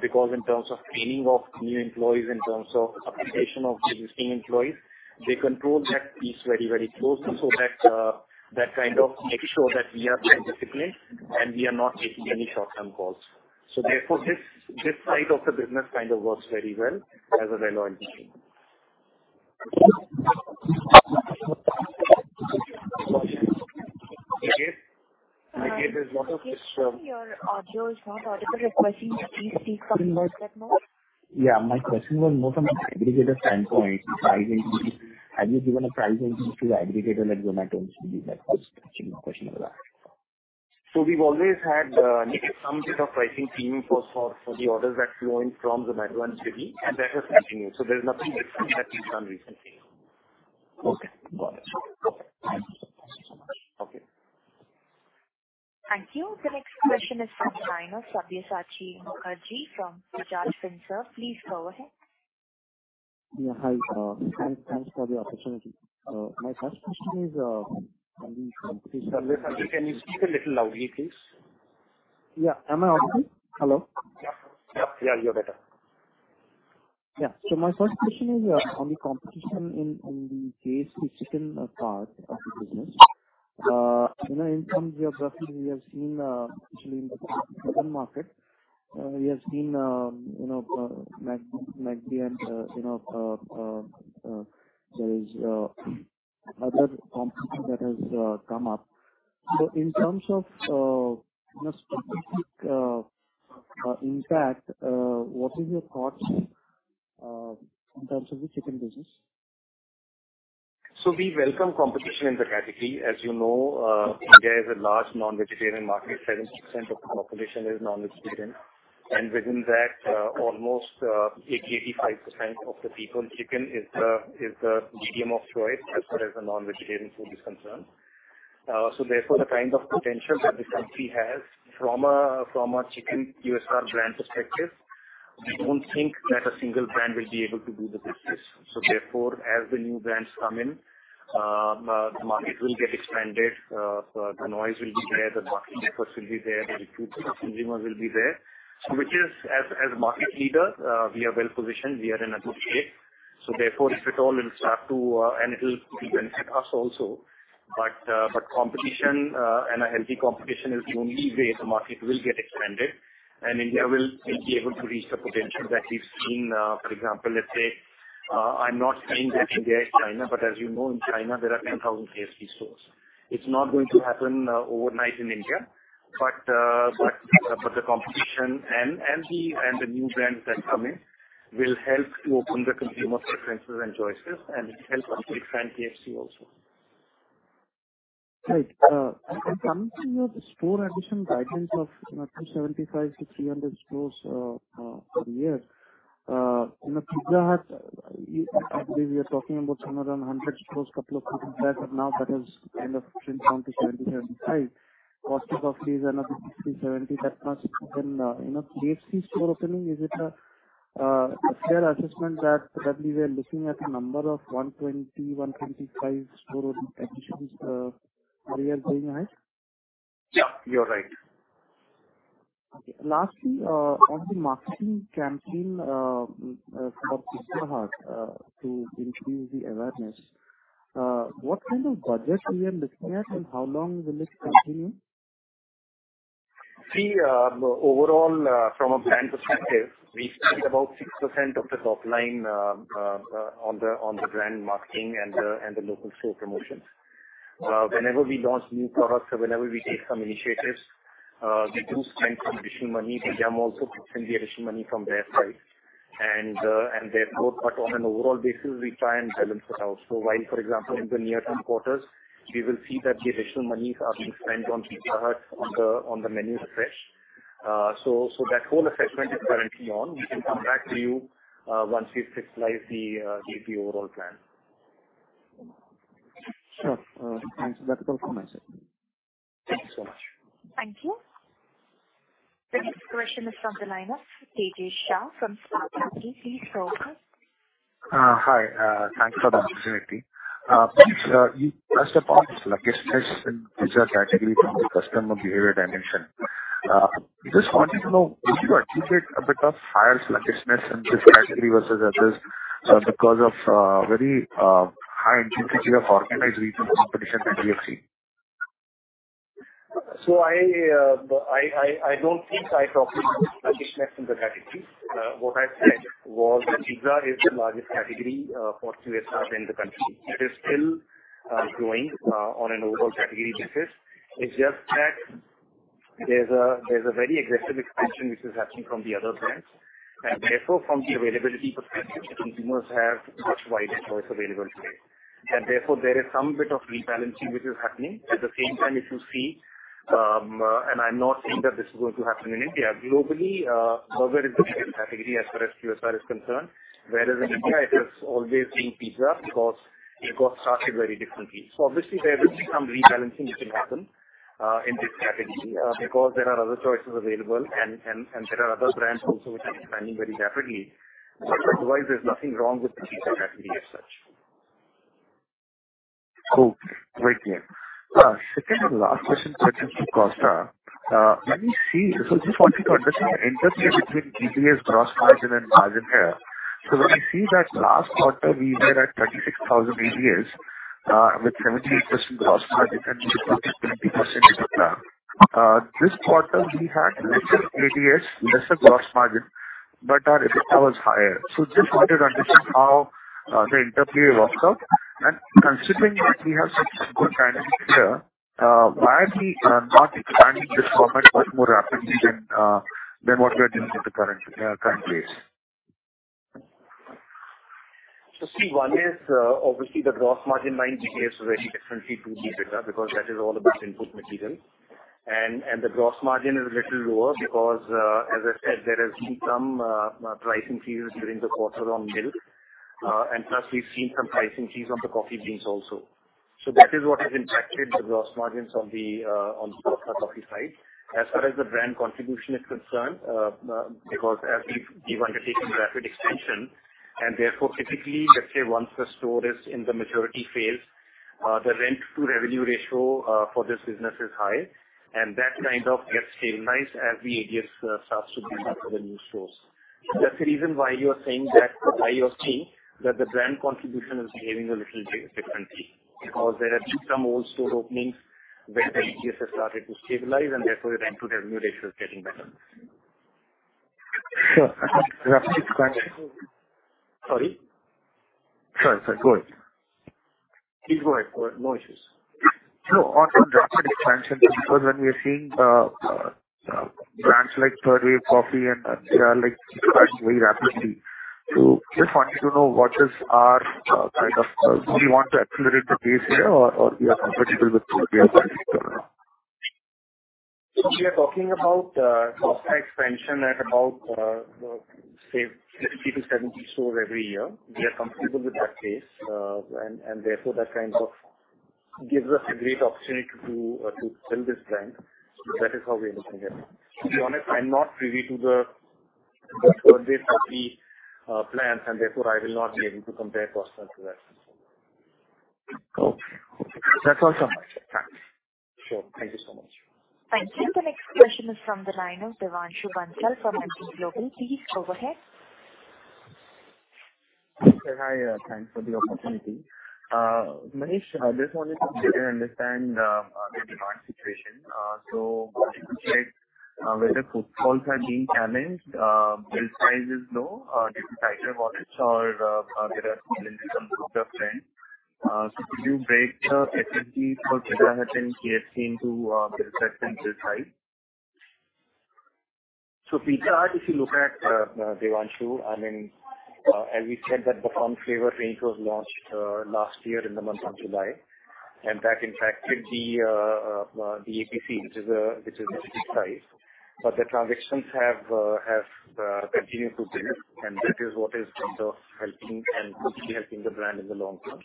because in terms of training of new employees, in terms of upskilling of the existing employees, they control that piece very, very closely. That, that kind of makes sure that we are well-disciplined, and we are not taking any short-term calls. Therefore, this, this side of the business kind of works very well as a well-oiled machine. Deven. Deven, there's a lot of- Your audio is not audible requesting. Please speak somewhat more. Yeah. My question was more from an aggregator standpoint, pricing. Have you given a price increase to the aggregator, like Zomato and Swiggy? That was actually my question over there. We've always had, Deven, some set of pricing scheme for, for, for the orders that flow in from Zomato and Swiggy, and that has continued. There is nothing different that we've done recently. Okay, got it. Okay. Thank you so much. Okay. Thank you. The next question is from Sabyasachi Mukherjee from Bajaj Finserv. Please go ahead. Yeah, hi. Thanks for the opportunity. My first question is on the competition- Sabyasachi, can you speak a little loudly, please? Yeah. Am I okay? Hello. Yeah. Yeah, you're better. My first question is on the competition in, on the KFC chicken part of the business. You know, in some geographies, we have seen, actually, in the urban market, we have seen, you know, McD and, you know, there is other competition that has come up. In terms of, you know, specific impact, what is your thoughts in terms of the chicken business? We welcome competition in the category. As you know, India is a large non-vegetarian market. 70% of the population is non-vegetarian, and within that, almost, 80%-85% of the people, chicken is the, is the medium of choice as far as the non-vegetarian food is concerned. Therefore, the kind of potential that the country has from a, from a chicken QSR brand perspective, we don't think that a single brand will be able to do the business. Therefore, as the new brands come in, the market will get expanded, the noise will be there, the marketing efforts will be there, the recruitment of consumers will be there. Which is as, as a market leader, we are well positioned, we are in a good shape. Therefore, if at all it'll start to... It'll even hit us also. Competition, and a healthy competition is the only way the market will get expanded, and India will be able to reach the potential that we've seen. For example, let's say, I'm not saying that India is China, but as you know, in China, there are 10,000 KFC stores. It's not going to happen overnight in India, but, but the competition and, and the, and the new brands that come in will help to open the consumer preferences and choices, and it helps us expand KFC also. Right. coming to your store addition guidance of, you know, 275-300 stores, per year. you know, Pizza Hut, I believe we are talking about somewhere around 100 stores, couple of years back, but now that has kind of trimmed down to 70-75. Costa Coffee is another 60-70, that much. you know, KFC store opening, is it a, a fair assessment that probably we are looking at a number of 120-125 store opening additions, per year going ahead? Yeah, you're right. Okay. Lastly, on the marketing campaign, for Pizza Hut, to increase the awareness, what kind of budget we are looking at and how long will it continue? See, overall, from a brand perspective, we spend about 6% of the top line on the brand marketing and the local store promotions. Whenever we launch new products or whenever we take some initiatives, we do spend some additional money. They are also putting the additional money from their side. Therefore, on an overall basis, we try and balance it out. While, for example, in the near-term quarters, we will see that the additional monies are being spent on Pizza Hut, on the menu fresh. That whole assessment is currently on. We can come back to you once we've fixed live the overall plan. Sure. Thanks. That's all from my side. Thank you so much. Thank you. The next question is from the line of Tejas Shah from Spark Capital Advisors. Hi, thanks for the opportunity. Manish, you touched upon sluggishness in Pizza category from the customer behavior dimension. Just wanted to know, did you achieve it a bit of higher sluggishness in this category versus others, because of very high intensity of organized regional competition that you have seen? I, I, I don't think I talked about sluggishness in the category. What I said was that Pizza is the largest category for QSR in the country. It is still growing on an overall category basis. It's just that there's a, there's a very aggressive expansion which is happening from the other brands, and therefore, from the availability perspective, the consumers have much wider choice available today. Therefore, there is some bit of rebalancing which is happening. At the same time, if you see, and I'm not saying that this is going to happen in India. Globally, burger is the biggest category as far as QSR is concerned, whereas in India, it has always been pizza because it got started very differently. Obviously, there will be some rebalancing which will happen in this category, because there are other choices available and, and, and there are other brands also which are expanding very rapidly. Otherwise, there's nothing wrong with the pizza category as such. Cool. Great, yeah. Second and last question, which is to Costa. Let me see. Just wanted to understand the interplay between EBS gross margin and margin here. When we see that last quarter, we were at 36,000 ABS, with 78% gross margin and 20% EBITDA. This quarter we had less ABS, lesser gross margin, but our EBITDA was higher. Just wanted to understand how the interplay works out. Considering that we have such good dynamics here, why are we not expanding this format much more rapidly than what we are doing in the current, current phase? See, one is, obviously the gross margin line behaves very differently to the EBITDA because that is all about input material. The gross margin is a little lower because, as I said, there has been some pricing fees during the quarter on milk, and plus we've seen some pricing fees on the coffee beans also. That is what has impacted the gross margins on the on the Costa Coffee side. As far as the brand contribution is concerned, because as we've, we want to take some rapid expansion, and therefore typically, let's say, once the store is in the maturity phase, the rent-to-revenue ratio, for this business is high, and that kind of gets stabilized as the ABS, starts to be for the new stores. That's the reason why you are saying that the IOT, that the brand contribution is behaving a little differently, because there have been some old store openings where the ABS has started to stabilize, and therefore the rent-to-revenue ratio is getting better. Sure. I think we have six months. Sorry? Sorry. Sorry. Go ahead. Please go ahead. Go ahead. No issues. On the rapid expansion, because when we are seeing brands like Third Wave Coffee and they are like growing very rapidly. Just wanted to know, what is our kind of... Do you want to accelerate the pace here or, or we are comfortable with what we are doing? We are talking about, Costa expansion at about, say, 50-70 stores every year. We are comfortable with that pace, and, and therefore, that kind of gives us a great opportunity to, to sell this brand. That is how we are looking at it. To be honest, I'm not privy to the, the Third Wave Coffee, plans, and therefore I will not be able to compare Costa to that. Okay. That's all from my side. Thanks. Sure. Thank you so much. Thank you. The next question is from the line of Devanshu Bansal from AT Global. Please go ahead. Hi, thanks for the opportunity. Manish, I just wanted to understand, the demand situation- Want to check whether footfalls have been challenged, bill size is low, due to tighter wallets or there are some other trends. Could you break the efficacy for Pizza Hut and KFC into the restaurant bill size? Pizza Hut, if you look at, Devanshu, I mean, as we said, that the farm flavor range was launched last year in the month of July, and that in fact hit the APC, which is a, which is a ticket size. The transactions have continued to build, and that is what is kind of helping and hopefully helping the brand in the long term.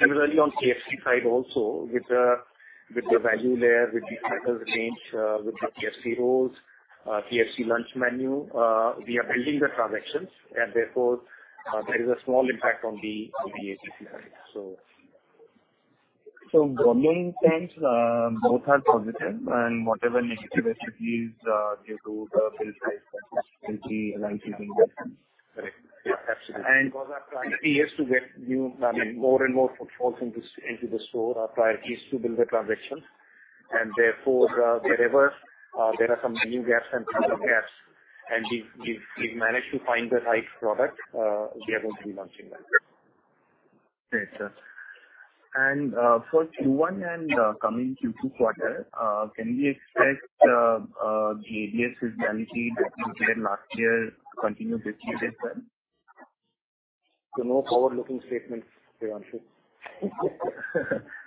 Similarly, on KFC side also with the, with the value layer, with the thicker range, with the KFC rolls, KFC lunch menu, we are building the transactions, and therefore, there is a small impact on the, on the APC side. Going things, both are positive and whatever negative attributes, due to the bill size that will be aligned using that. Right. Yeah, absolutely. Our priority is to get I mean, more and more footfalls into, into the store. Our priority is to build the transactions, and therefore, wherever, there are some menu gaps and product gaps, and we've, we've, we've managed to find the right product, we are going to be launching that. Great, sir. For Q1 and coming Q2 quarter, can we expect the ABS seasonality that you did last year continue this year as well? No forward-looking statements, Devanshu.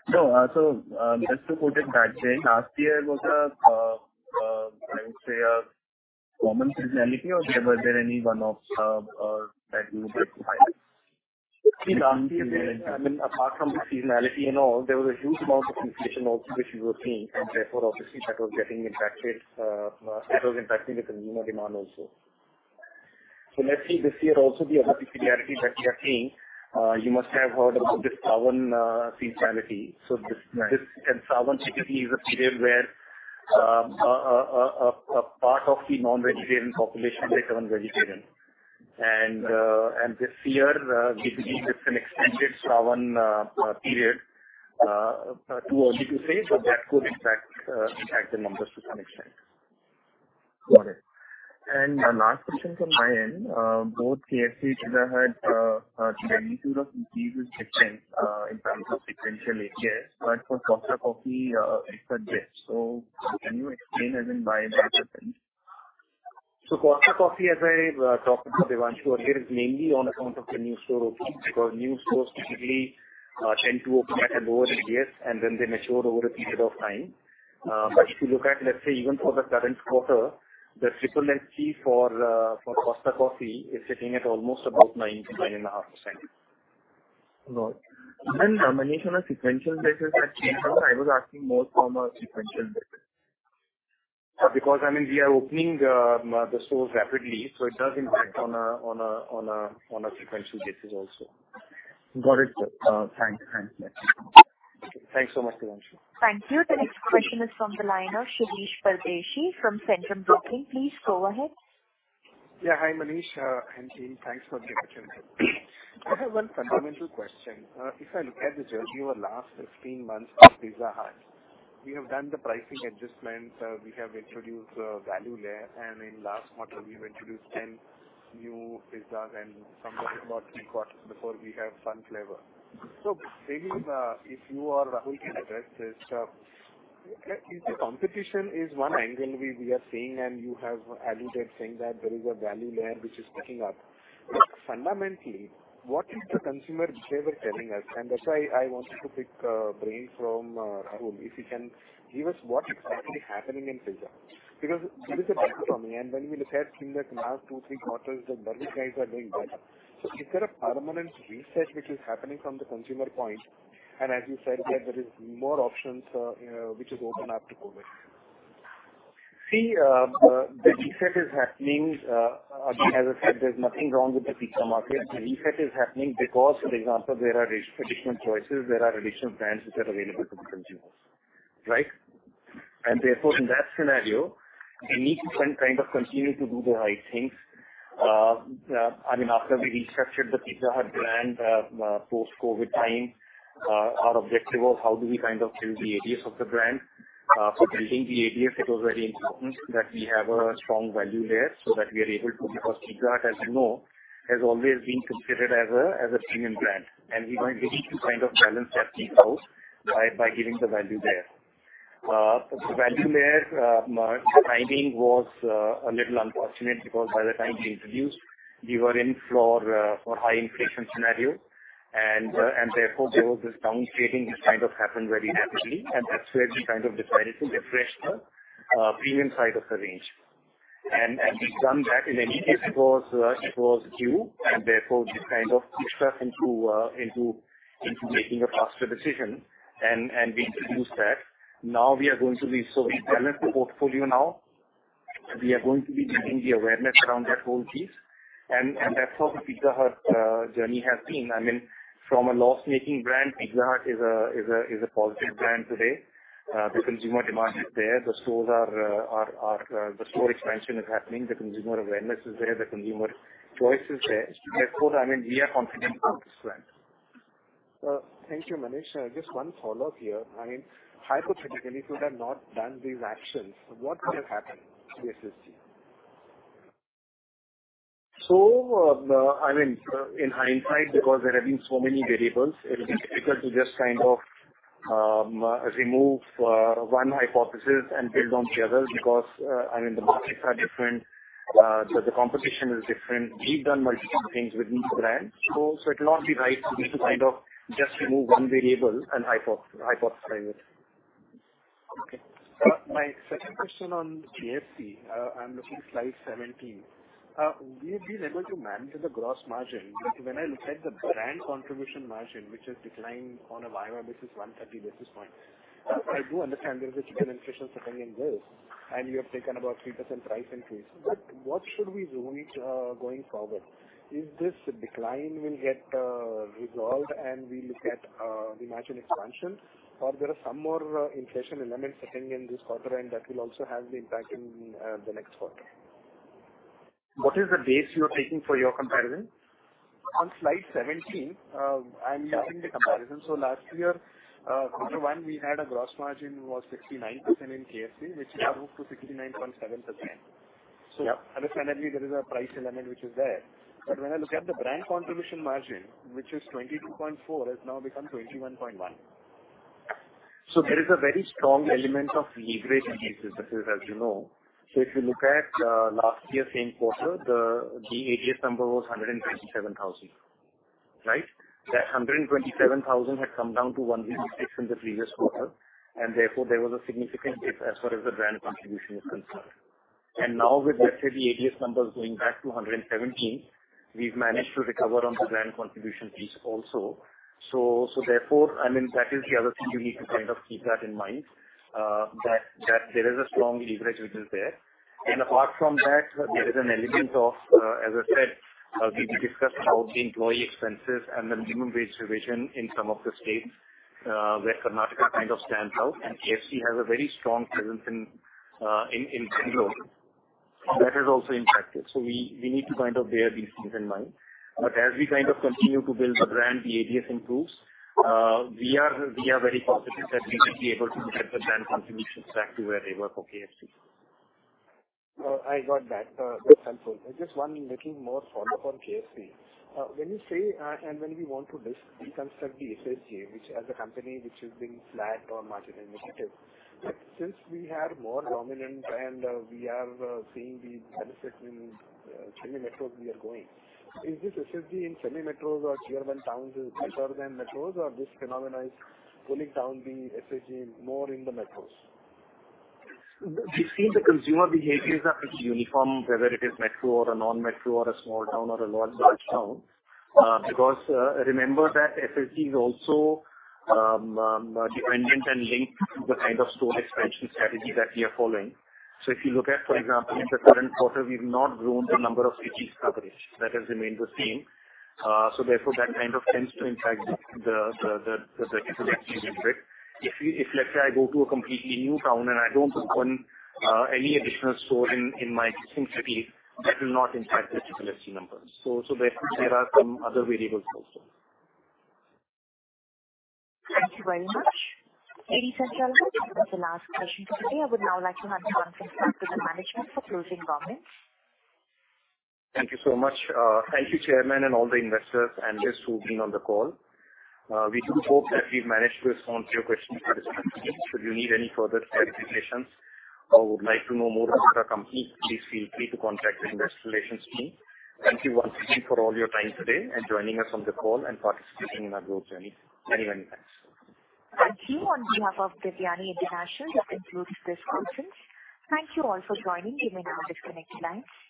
No. Just to put it that way, last year was a, I would say, a common seasonality or was there any one-off that you would like to highlight? Last year, I mean, apart from the seasonality and all, there was a huge amount of inflation also, which we were seeing, and therefore obviously that was getting impacted, that was impacting the consumer demand also. Let's see, this year also the other seasonality that we are seeing, you must have heard about this Sawan seasonality. Right. This, this Sawan typically is a period where a part of the non-vegetarian population become vegetarian. This year, typically it's an extended Sawan period, too early to say, but that could impact impact the numbers to some extent. Got it. Last question from my end. Both KFC, Pizza Hut, the magnitude of increase is different, in terms of sequential ADS, but for Costa Coffee, it's a dip. Can you explain, as in, why, why the difference? Costa Coffee, as I talked about Devanshu earlier, is mainly on account of the new store openings, because new stores typically tend to open at a lower ADS and then they mature over a period of time. If you look at, let's say even for the current quarter, the triple ADS for Costa Coffee is sitting at almost about 9, 9.5%. Right. Even Manish, on a sequential basis, that changed. I was asking more from a sequential basis. I mean, we are opening, the stores rapidly, so it does impact on a, on a, on a, on a sequential basis also. Got it. thanks, thanks. Thanks so much, Devanshu. Thank you. The next question is from the line of Shirish Pardeshi from Centrum Broking. Please go ahead. Yeah. Hi, Manish and team. Thanks for the opportunity. I have one fundamental question. If I look at the journey over last 15 months of Pizza Hut, we have done the pricing adjustments, we have introduced a value layer, and in last quarter, we've introduced 10 new pizzas and some about 3 quarters before we have fun flavor. Maybe, if you or Rahul can address this, if the competition is one angle we, we are seeing, and you have alluded saying that there is a value layer which is picking up. Fundamentally, what is the consumer behavior telling us? That's why I wanted to pick brain from Rahul. If he can give us what exactly happening in Pizza, because this is a battle for me. When we look at things that last two, three quarters, the burger guys are doing well. Is there a permanent reset which is happening from the consumer point? As you said, there, there is more options, which is open up to go with. See, the reset is happening, as I said, there's nothing wrong with the pizza market. The reset is happening because, for example, there are additional choices, there are additional brands which are available to the consumers, right? Therefore, in that scenario, they need to kind of continue to do the right things. I mean, after we restructured the Pizza Hut brand, post-COVID time, our objective was how do we kind of build the ADS of the brand? For building the ADS, it was very important that we have a strong value layer so that we are able to... Because Pizza Hut, as you know, has always been considered as a, as a premium brand, and we need to kind of balance that piece out by, by giving the value there. The value layer, timing was a little unfortunate because by the time we introduced, we were in for high inflation scenario. Therefore, there was this down scaling which kind of happened very rapidly, and that's where we kind of decided to refresh the premium side of the range. We've done that. In any case, it was due, and therefore, we kind of pushed us into, into making a faster decision, and we introduced that. We balanced the portfolio now. We are going to be building the awareness around that whole piece, and that's how the Pizza Hut journey has been. I mean, from a loss-making brand, Pizza Hut is a, is a, is a positive brand today. The consumer demand is there, the stores are, the store expansion is happening, the consumer awareness is there, the consumer choice is there. Therefore, I mean, we are confident about this brand. Thank you, Manish. Just one follow-up here. I mean, hypothetically, if you had not done these actions, what would have happened to SSC? I mean, in hindsight, because there have been so many variables, it would be difficult to just kind of, remove, one hypothesis and build on the other, because, I mean, the markets are different, the competition is different. We've done multiple things with each brand, so it will not be right for me to kind of just remove one variable and hypothesize it. Okay. my second question on KFC. I'm looking at slide 17. will you be able to manage the gross margin? Because when I look at the brand contribution margin, which has declined on a YoY basis, 130 basis points. I do understand there is a chicken inflation setting in this, and you have taken about 3% price increase. But what should we zoom into, going forward? If this decline will get resolved and we look at the margin expansion, or there are some more inflation elements setting in this quarter, and that will also have the impact in the next quarter. What is the base you are taking for your comparison? On slide 17, I'm looking at the comparison. Last year, Q1, we had a gross margin was 69% in KFC. Yeah. which now moved to 69.7%. Yeah. Understandably, there is a price element which is there. When I look at the brand contribution margin, which is 22.4, has now become 21.1. There is a very strong element of leverage in this business, as you know. If you look at, last year, same quarter, the, the ADS number was 127,000, right? Yeah. That 127,000 had come down to 166 in the previous quarter, and therefore, there was a significant dip as far as the brand contribution is concerned. Now with, let's say, the ADS numbers going back to 117, we've managed to recover on the brand contribution piece also. So therefore, I mean, that is the other thing you need to kind of keep that in mind, that there is a strong leverage which is there. Okay. Apart from that, there is an element of, as I said, we discussed about the employee expenses and the minimum wage revision in some of the states, where Karnataka kind of stands out, and KFC has a very strong presence in, in, in Bangalore. That has also impacted. We, we need to kind of bear these things in mind. As we kind of continue to build the brand, the ADS improves. We are, we are very positive that we will be able to get the brand contributions back to where they were for KFC. I got that. That's helpful. Just one little more follow-up on KFC. When you say, and when we want to deconstruct the SSG, which as a company which has been flat or margin initiative, but since we have more dominance and, we are seeing the benefit in, semi metros we are going, is this SSG in semi metros or Tier 1 towns is better than metros, or this phenomenon is pulling down the SSG more in the metros? We've seen the consumer behaviors are pretty uniform, whether it is metro or a non-metro or a small town or a large town. Because remember that SSG is also dependent and linked to the kind of store expansion strategy that we are following. If you look at, for example, in the current quarter, we've not grown the number of cities coverage. That has remained the same. Therefore, that kind of tends to impact the SSG a little bit. If, let's say, I go to a completely new town and I don't open any additional store in my existing city, that will not impact the SSG numbers. There are some other variables also. Thank you very much. Ladies and gentlemen, that's the last question for today. I would now like to hand the conference back to the management for closing comments. Thank you so much. Thank you, Chairman, and all the investors, analysts who've been on the call. We do hope that we've managed to respond to your questions to your satisfaction. Should you need any further clarifications or would like to know more about our company, please feel free to contact the investor relations team. Thank you once again for all your time today and joining us on the call and participating in our growth journey. Many, many thanks. Thank you. On behalf of Devyani International, that concludes this conference. Thank you all for joining. You may now disconnect your lines.